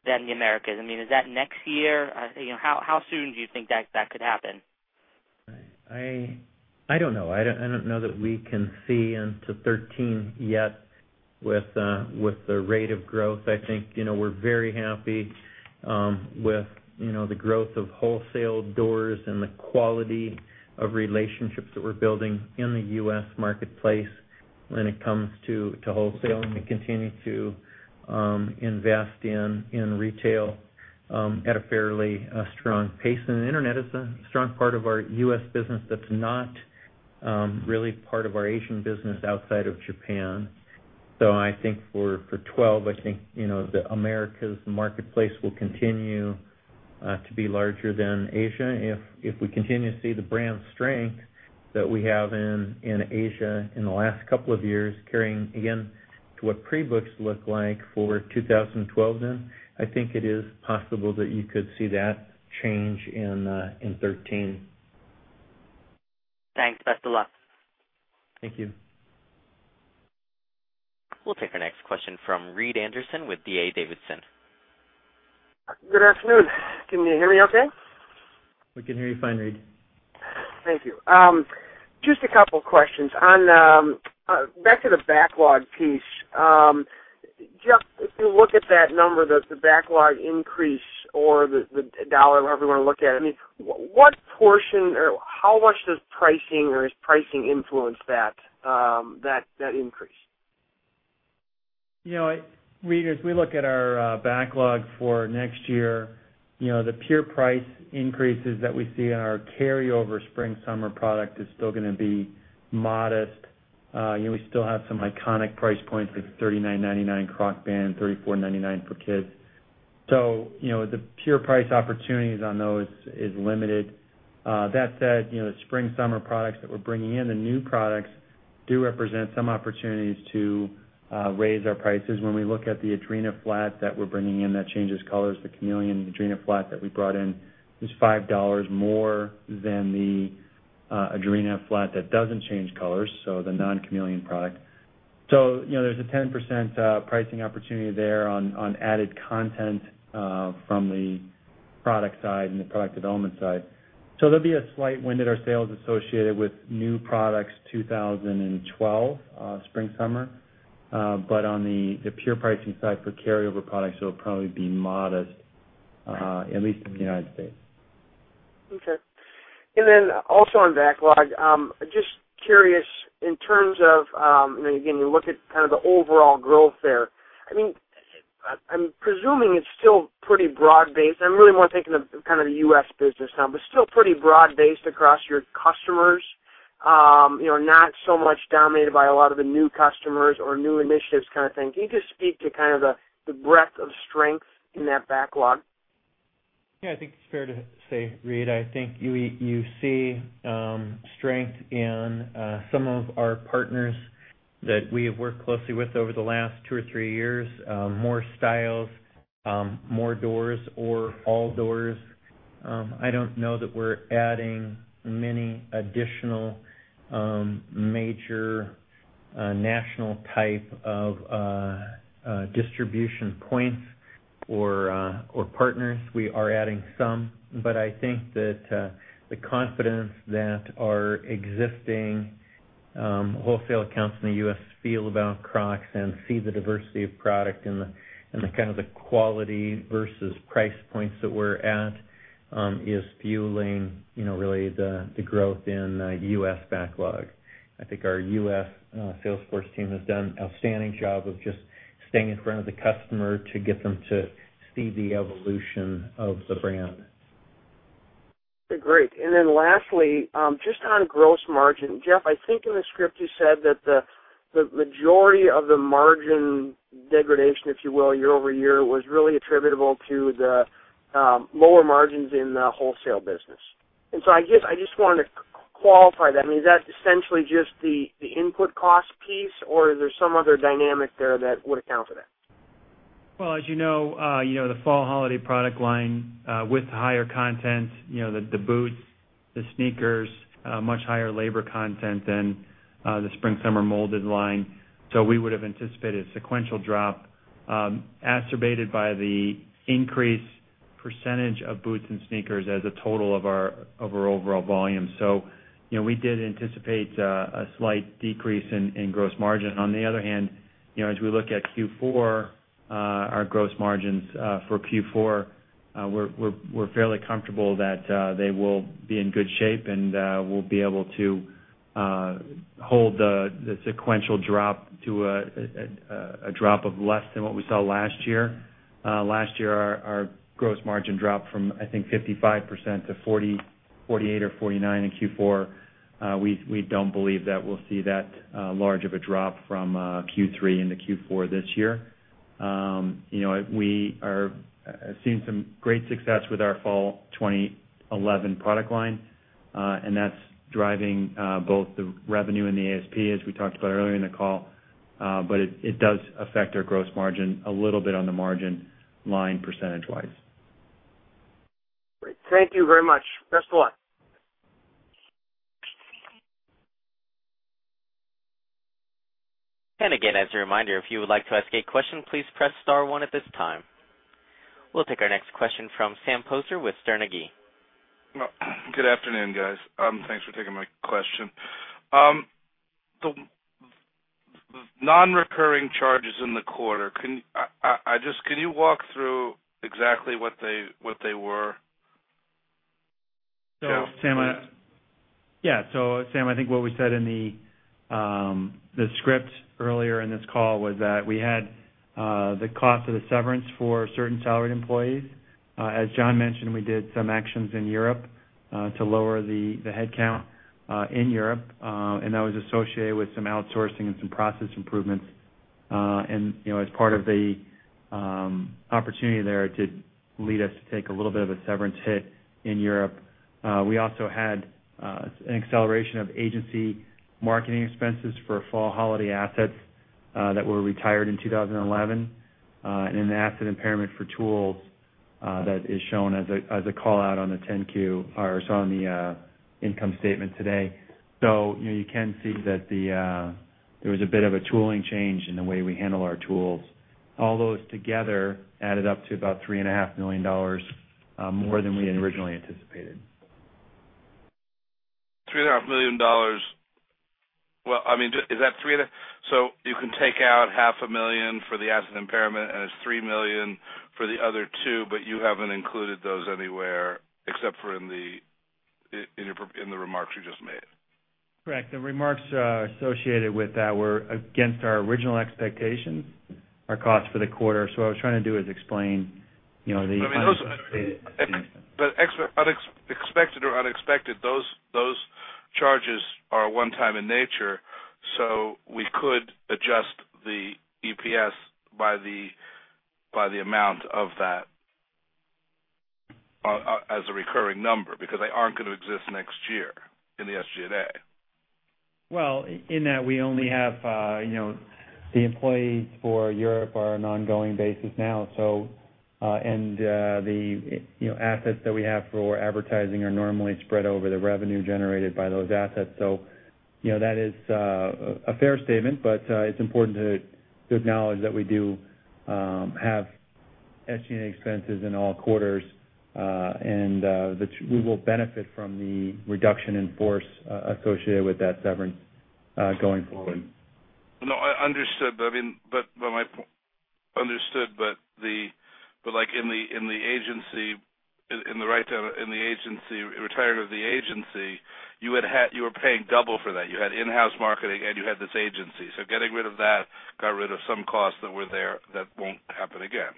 than the Americas? I mean, is that next year? You know, how soon do you think that could happen? I don't know. I don't know that we can see into 2013 yet with the rate of growth. I think we're very happy with the growth of wholesale doors and the quality of relationships that we're building in the U.S. marketplace when it comes to wholesaling. We continue to invest in retail at a fairly strong pace. The internet is a strong part of our U.S. business that's not really part of our Asian business outside of Japan. I think for 2012, the Americas marketplace will continue to be larger than Asia. If we continue to see the brand strength that we have in Asia in the last couple of years carrying into what pre-books look like for 2012, then I think it is possible that you could see that change in 2013. Thanks. Best of luck. Thank you. We'll take our next question from Reed Anderson with D.A. Davidson. Good afternoon. Can you hear me okay? We can hear you fine, Reed. Thank you. Just a couple of questions. Back to the backlog piece, Jeff, if you look at that number, does the backlog increase or the dollar or however you want to look at it, what portion or how much does pricing or is pricing influence that increase? You know, Reid, as we look at our backlog for next year, the pure price increases that we see in our carryover spring/summer product are still going to be modest. We still have some iconic price points with $39.99 Crocs Band, $34.99 for kids. The pure price opportunities on those are limited. That said, the spring/summer products that we're bringing in, the new products do represent some opportunities to raise our prices. When we look at the Adrena flat that we're bringing in that changes colors, the Chameleon Adrena flat that we brought in is $5 more than the Adrena flat that doesn't change colors, so the non-Chameleon product. There's a 10% pricing opportunity there on added content from the product side and the product development side. There'll be a slight wind at our sales associated with new products in 2012 spring/summer. On the pure pricing side for carryover products, it'll probably be modest, at least in the U.S. Okay. On backlog, I'm just curious in terms of, you know, you look at kind of the overall growth there. I'm presuming it's still pretty broad-based. I'm really more thinking of kind of the U.S. business now, but still pretty broad-based across your customers, not so much dominated by a lot of the new customers or new initiatives kind of thing. Can you just speak to the breadth of strength in that backlog? Yeah, I think it's fair to say, Reed. I think you see strength in some of our partners that we have worked closely with over the last two or three years, more styles, more doors, or all doors. I don't know that we're adding many additional major national type of distribution points or partners. We are adding some, but I think that the confidence that our existing wholesale accounts in the U.S. feel about Crocs and see the diversity of product and the kind of the quality versus price points that we're at is fueling, you know, really the growth in the U.S. backlog. I think our U.S. sales force team has done an outstanding job of just staying in front of the customer to get them to see the evolution of the brand. Great. Lastly, just on gross margin, Jeff, I think in the script you said that the majority of the margin degradation, if you will, year over year, was really attributable to the lower margins in the wholesale business. I guess I just wanted to qualify that. Is that essentially just the input cost piece, or is there some other dynamic there that would account for that? As you know, the fall holiday product line with higher content, the boots, the sneakers, much higher labor content than the spring/summer molded line. We would have anticipated a sequential drop, exacerbated by the increased percentage of boots and sneakers as a total of our overall volume. We did anticipate a slight decrease in gross margin. On the other hand, as we look at Q4, our gross margins for Q4, we're fairly comfortable that they will be in good shape and will be able to hold the sequential drop to a drop of less than what we saw last year. Last year, our gross margin dropped from, I think, 55% to 48% or 49% in Q4. We don't believe that we'll see that large of a drop from Q3 into Q4 this year. We are seeing some great success with our fall 2011 product line, and that's driving both the revenue and the ASP, as we talked about earlier in the call, but it does affect our gross margin a little bit on the margin line percentage-wise. Great. Thank you very much. Best of luck. As a reminder, if you would like to ask a question, please press star one at this time. We'll take our next question from Sam Poser with Sterne Agee. Good afternoon, guys. Thanks for taking my question. The non-recurring charges in the quarter, can you walk through exactly what they were? Sam, I think what we said in the script earlier in this call was that we had the cost of the severance for certain salaried employees. As John mentioned, we did some actions in Europe to lower the headcount in Europe, and that was associated with some outsourcing and some process improvements. As part of the opportunity there, it did lead us to take a little bit of a severance hit in Europe. We also had an acceleration of agency marketing expenses for fall holiday assets that were retired in 2011, and in the asset impairment for tools that is shown as a callout on the 10-Q or on the income statement today. You can see that there was a bit of a tooling change in the way we handle our tools. All those together added up to about $3.5 million more than we had originally anticipated. $3.5 million. Is that three? You can take out half a million for the asset impairment, and it's $3 million for the other two, but you haven't included those anywhere except for in the remarks you just made. Correct. The remarks associated with that were against our original expectations, our costs for the quarter. What I was trying to do is explain, you know, the. Expected or unexpected, those charges are one-time in nature, so we could adjust the EPS by the amount of that as a recurring number because they aren't going to exist next year in the SG&A. In that, we only have, you know, the employees for Europe are on an ongoing basis now. The, you know, assets that we have for advertising are normally spread over the revenue generated by those assets. That is a fair statement, but it's important to acknowledge that we do have SG&A expenses in all quarters and that we will benefit from the reduction in force associated with that severance going forward. No, I understood. In the agency, retiring of the agency, you were paying double for that. You had in-house marketing and you had this agency. Getting rid of that got rid of some costs that were there that won't happen again.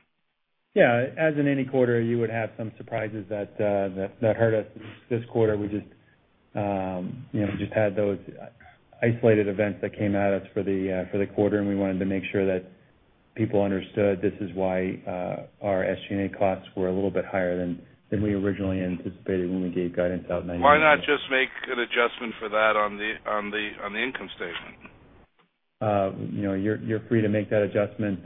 Yeah, as in any quarter, you would have some surprises that hurt us this quarter. We just had those isolated events that came at us for the quarter, and we wanted to make sure that people understood this is why our SG&A costs were a little bit higher than we originally anticipated when we gave guidance out in 1991. Why not just make an adjustment for that on the income statement? You know, you're free to make that adjustment.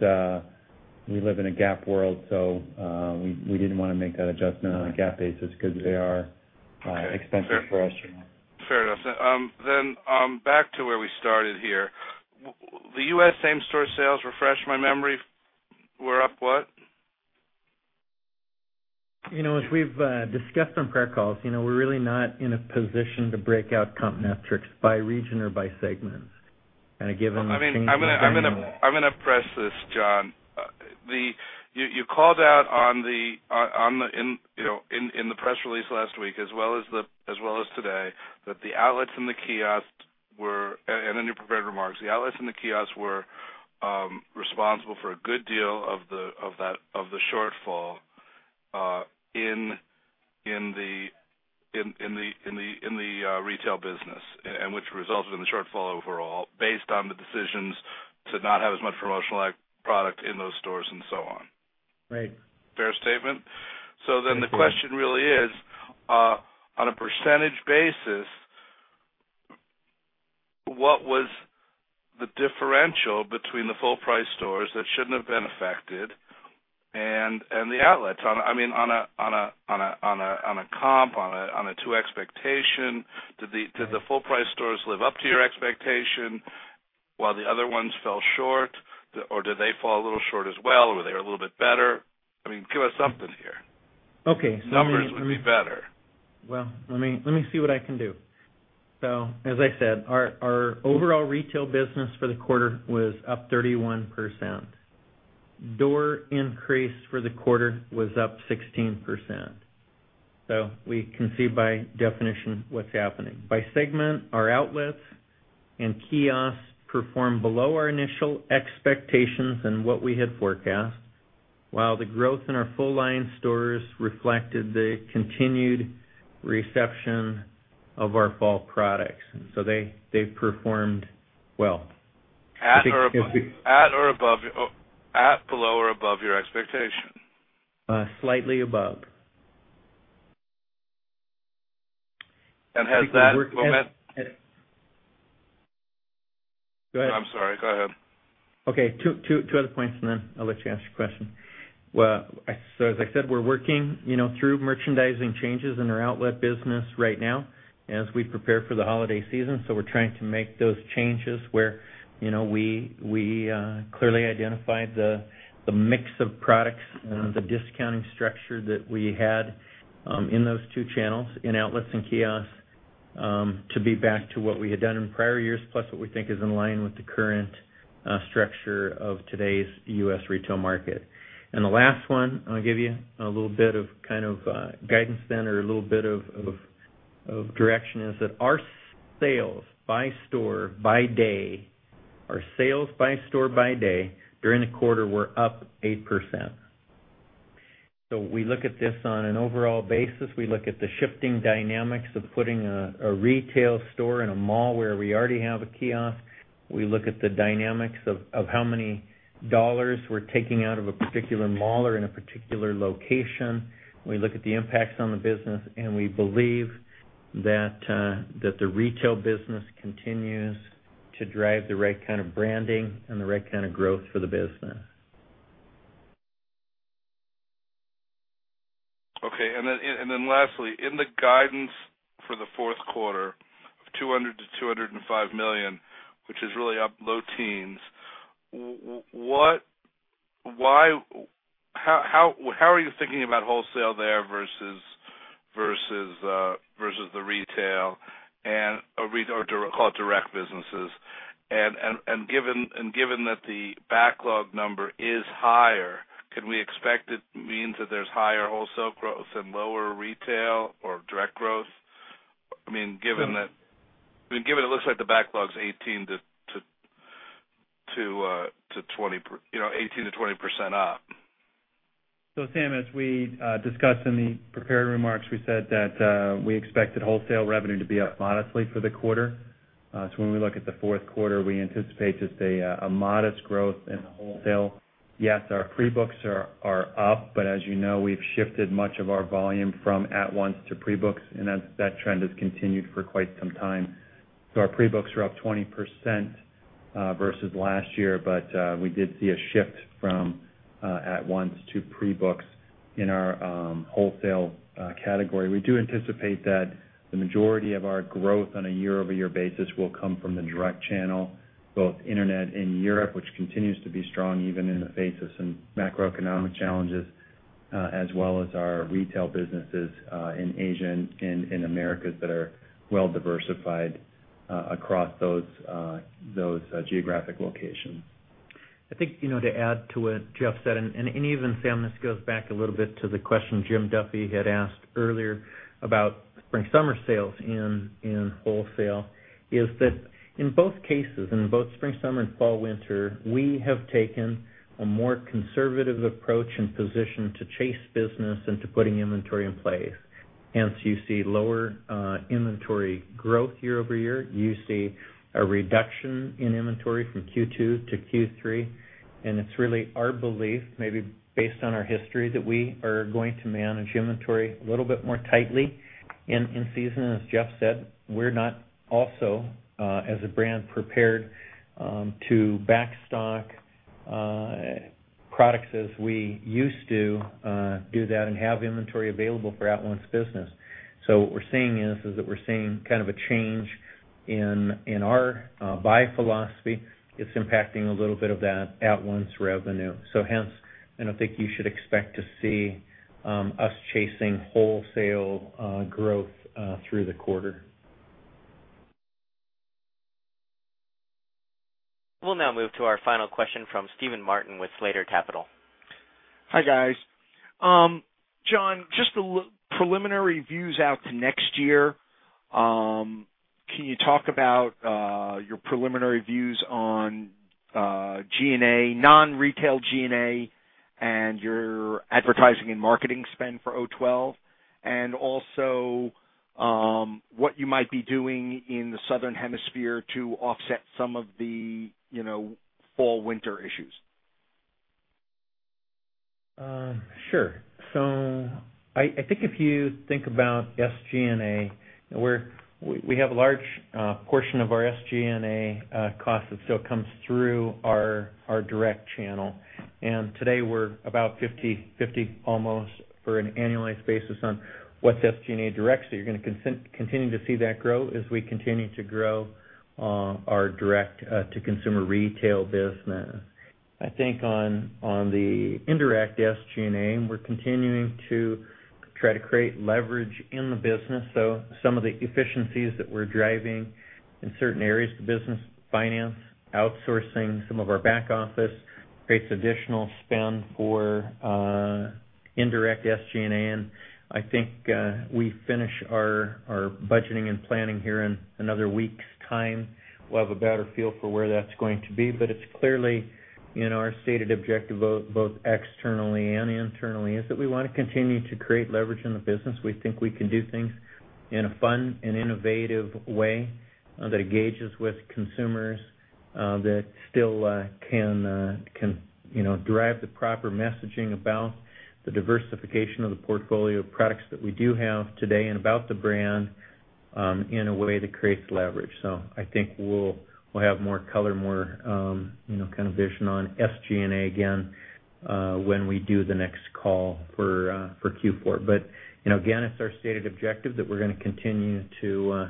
We live in a GAAP world, so we didn't want to make that adjustment on a GAAP basis because they are expensive for us right now. Fair enough. Back to where we started here, the U.S. same store sales, refresh my memory. We're up what? As we've discussed on prior calls, we're really not in a position to break out comp metrics by region or by segments. Given. I'm going to press this, John. You called out in the press release last week as well as today that the outlet locations and the kiosk locations were, and in your prepared remarks, the outlet locations and the kiosk locations were responsible for a good deal of the shortfall in the retail business, which resulted in the shortfall overall based on the decisions to not have as much promotional product in those stores and so on. Right. Fair statement. The question really is, on a percentage basis, what was the differential between the full-price stores that shouldn't have been affected and the outlet locations? I mean, on a comp, on a to expectation, did the full-price stores live up to your expectation while the other ones fell short, or did they fall a little short as well, or were they a little bit better? I mean, give us something here. Okay. Numbers would be better. As I said, our overall retail business for the quarter was up 31%. Door increase for the quarter was up 16%. We can see by definition what's happening. By segment, our outlets and kiosks performed below our initial expectations and what we had forecast, while the growth in our full-line stores reflected the continued reception of our fall products. They performed well. At, below, or above your expectation? Slightly above. Has that? Go ahead. I'm sorry. Go ahead. Okay. Two other points, and then I'll let you ask your question. As I said, we're working through merchandising changes in our outlet business right now as we prepare for the holiday season. We're trying to make those changes where we clearly identified the mix of products and the discounting structure that we had in those two channels, in outlets and kiosks, to be back to what we had done in prior years, plus what we think is in line with the current structure of today's U.S. retail market. The last one, I'll give you a little bit of kind of guidance then or a little bit of direction is that our sales by store, by day during the quarter were up 8%. We look at this on an overall basis. We look at the shifting dynamics of putting a retail store in a mall where we already have a kiosk. We look at the dynamics of how many dollars we're taking out of a particular mall or in a particular location. We look at the impacts on the business, and we believe that the retail business continues to drive the right kind of branding and the right kind of growth for the business. Okay. Lastly, in the guidance for the fourth quarter of $200 million-$205 million, which is really up low teens, why, how are you thinking about wholesale there versus the retail and, or call it direct businesses? Given that the backlog number is higher, can we expect it means that there's higher wholesale growth and lower retail or direct growth? Given that, it looks like the backlog's 18%-20%, you know, 18%-20% up. Sam, as we discussed in the prepared remarks, we said that we expected wholesale revenue to be up modestly for the quarter. When we look at the fourth quarter, we anticipate just a modest growth in wholesale. Yes, our pre-books are up, but as you know, we've shifted much of our volume from at once to pre-books, and that trend has continued for quite some time. Our pre-books are up 20% versus last year, but we did see a shift from at once to pre-books in our wholesale category. We do anticipate that the majority of our growth on a year-over-year basis will come from the direct channel, both internet and Europe, which continues to be strong even in the face of some macroeconomic challenges, as well as our retail businesses in Asia and in America that are well diversified across those geographic locations. I think, to add to what Jeff said, and even, Sam, this goes back a little bit to the question Jim Duffy had asked earlier about spring/summer sales in wholesale, is that in both cases, in both spring, summer, and fall/winter, we have taken a more conservative approach and position to chase business and to putting inventory in place. Hence, you see lower inventory growth year over year. You see a reduction in inventory from Q2-Q3, and it's really our belief, maybe based on our history, that we are going to manage inventory a little bit more tightly. In season, as Jeff said, we're not also, as a brand, prepared to backstock products as we used to do that and have inventory available for at once business. What we're seeing is that we're seeing kind of a change in our buy philosophy. It's impacting a little bit of that at once revenue. Hence, I don't think you should expect to see us chasing wholesale growth through the quarter. Will now move to our final question from Steven Martin with Slater Capital. Hi, guys. John, just the preliminary views out to next year. Can you talk about your preliminary views on SG&A, non-retail SG&A, and your advertising and marketing spend for 2012, and also what you might be doing in the Southern Hemisphere to offset some of the, you know, fall/winter issues? Sure. I think if you think about SG&A, we have a large portion of our SG&A cost that still comes through our direct channel. Today, we're about 50/50 almost for an annualized basis on what's SG&A direct. You're going to continue to see that grow as we continue to grow our direct-to-consumer retail business. I think on the indirect SG&A, we're continuing to try to create leverage in the business. Some of the efficiencies that we're driving in certain areas of the business, finance, outsourcing, some of our back office, creates additional spend for indirect SG&A. I think we finish our budgeting and planning here in another week's time. We'll have a better feel for where that's going to be. It's clearly in our stated objective, both externally and internally, that we want to continue to create leverage in the business. We think we can do things in a fun and innovative way that engages with consumers that still can drive the proper messaging about the diversification of the portfolio of products that we do have today and about the brand in a way that creates leverage. I think we'll have more color, more vision on SG&A again when we do the next call for Q4. It's our stated objective that we're going to continue to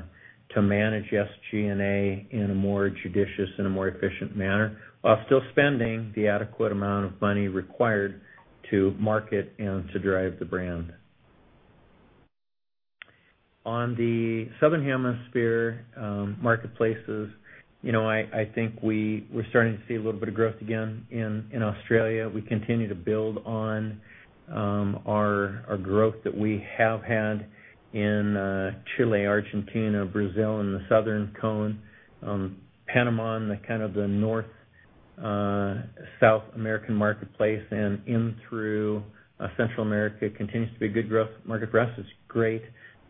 manage SG&A in a more judicious and a more efficient manner while still spending the adequate amount of money required to market and to drive the brand. On the Southern Hemisphere marketplaces, I think we're starting to see a little bit of growth again in Australia. We continue to build on our growth that we have had in Chile, Argentina, Brazil, and the southern cone. Panama, kind of the North-South American marketplace and in through Central America, continues to be good market growth. It's great.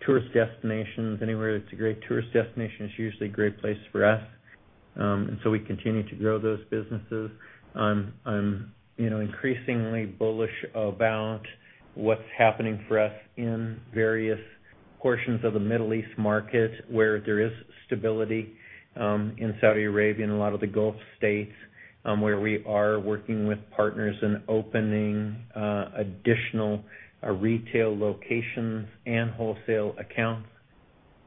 Tourist destinations, anywhere that's a great tourist destination is usually a great place for us. We continue to grow those businesses. I'm increasingly bullish about what's happening for us in various portions of the Middle East market where there is stability in Saudi Arabia and a lot of the Gulf states where we are working with partners in opening additional retail locations and wholesale accounts.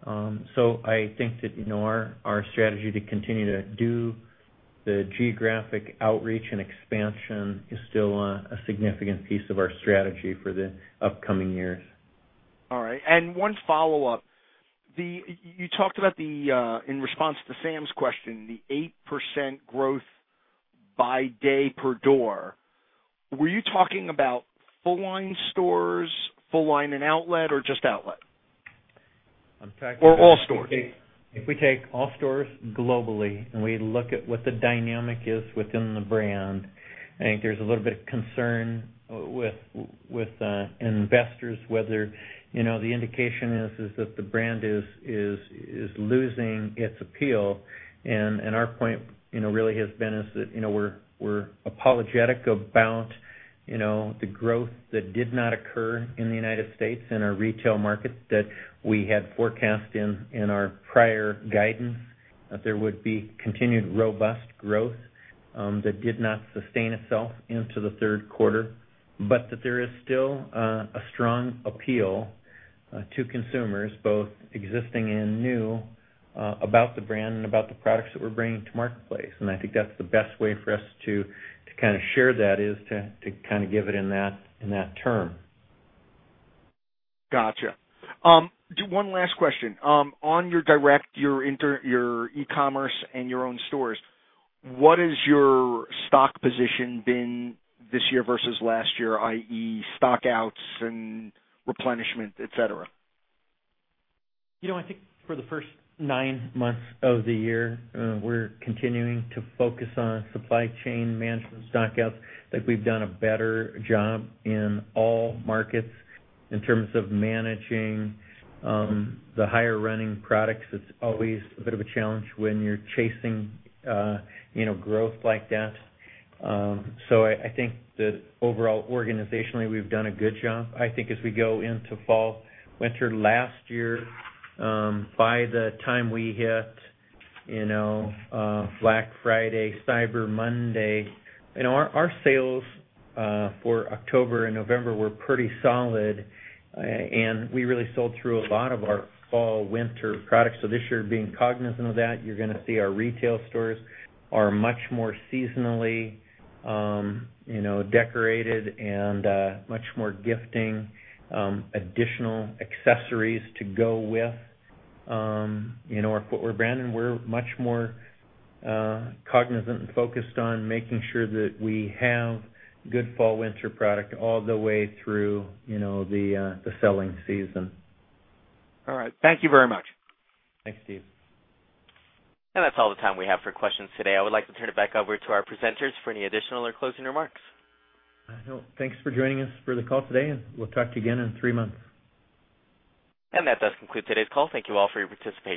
I think that our strategy to continue to do the geographic outreach and expansion is still a significant piece of our strategy. the upcoming years. All right. One follow-up. You talked about the, in response to Sam's question, the 8% growth by day per door. Were you talking about full-line stores, full-line and outlet, or just outlet? I'm talking about all stores. If we take all stores globally and we look at what the dynamic is within the brand, I think there's a little bit of concern with investors whether the indication is that the brand is losing its appeal. Our point really has been that we're apologetic about the growth that did not occur in the U.S. in our retail markets. We had forecast in our prior guidance that there would be continued robust growth that did not sustain itself into the third quarter, but there is still a strong appeal to consumers, both existing and new, about the brand and about the products that we're bringing to the marketplace. I think that's the best way for us to kind of share that is to kind of give it in that term. Gotcha. One last question. On your direct, your e-commerce, and your own stores, what has your stock position been this year versus last year, i.e., stock outs and replenishment, etc.? I think for the first nine months of the year, we're continuing to focus on supply chain management stock outs. I think we've done a better job in all markets in terms of managing the higher running products. It's always a bit of a challenge when you're chasing growth like that. I think that overall, organizationally, we've done a good job. I think as we go into fall, winter last year, by the time we hit Black Friday, Cyber Monday, our sales for October and November were pretty solid. We really sold through a lot of our fall, winter products. This year, being cognizant of that, you're going to see our retail stores are much more seasonally decorated and much more gifting additional accessories to go with our footwear brand. We're much more cognizant and focused on making sure that we have good fall, winter product all the way through the selling season. All right. Thank you very much. Thanks, Steve. That is all the time we have for questions today. I would like to turn it back over to our presenters for any additional or closing remarks. Thanks for joining us for the call today. We'll talk to you again in three months. That does conclude today's call. Thank you all for your participation.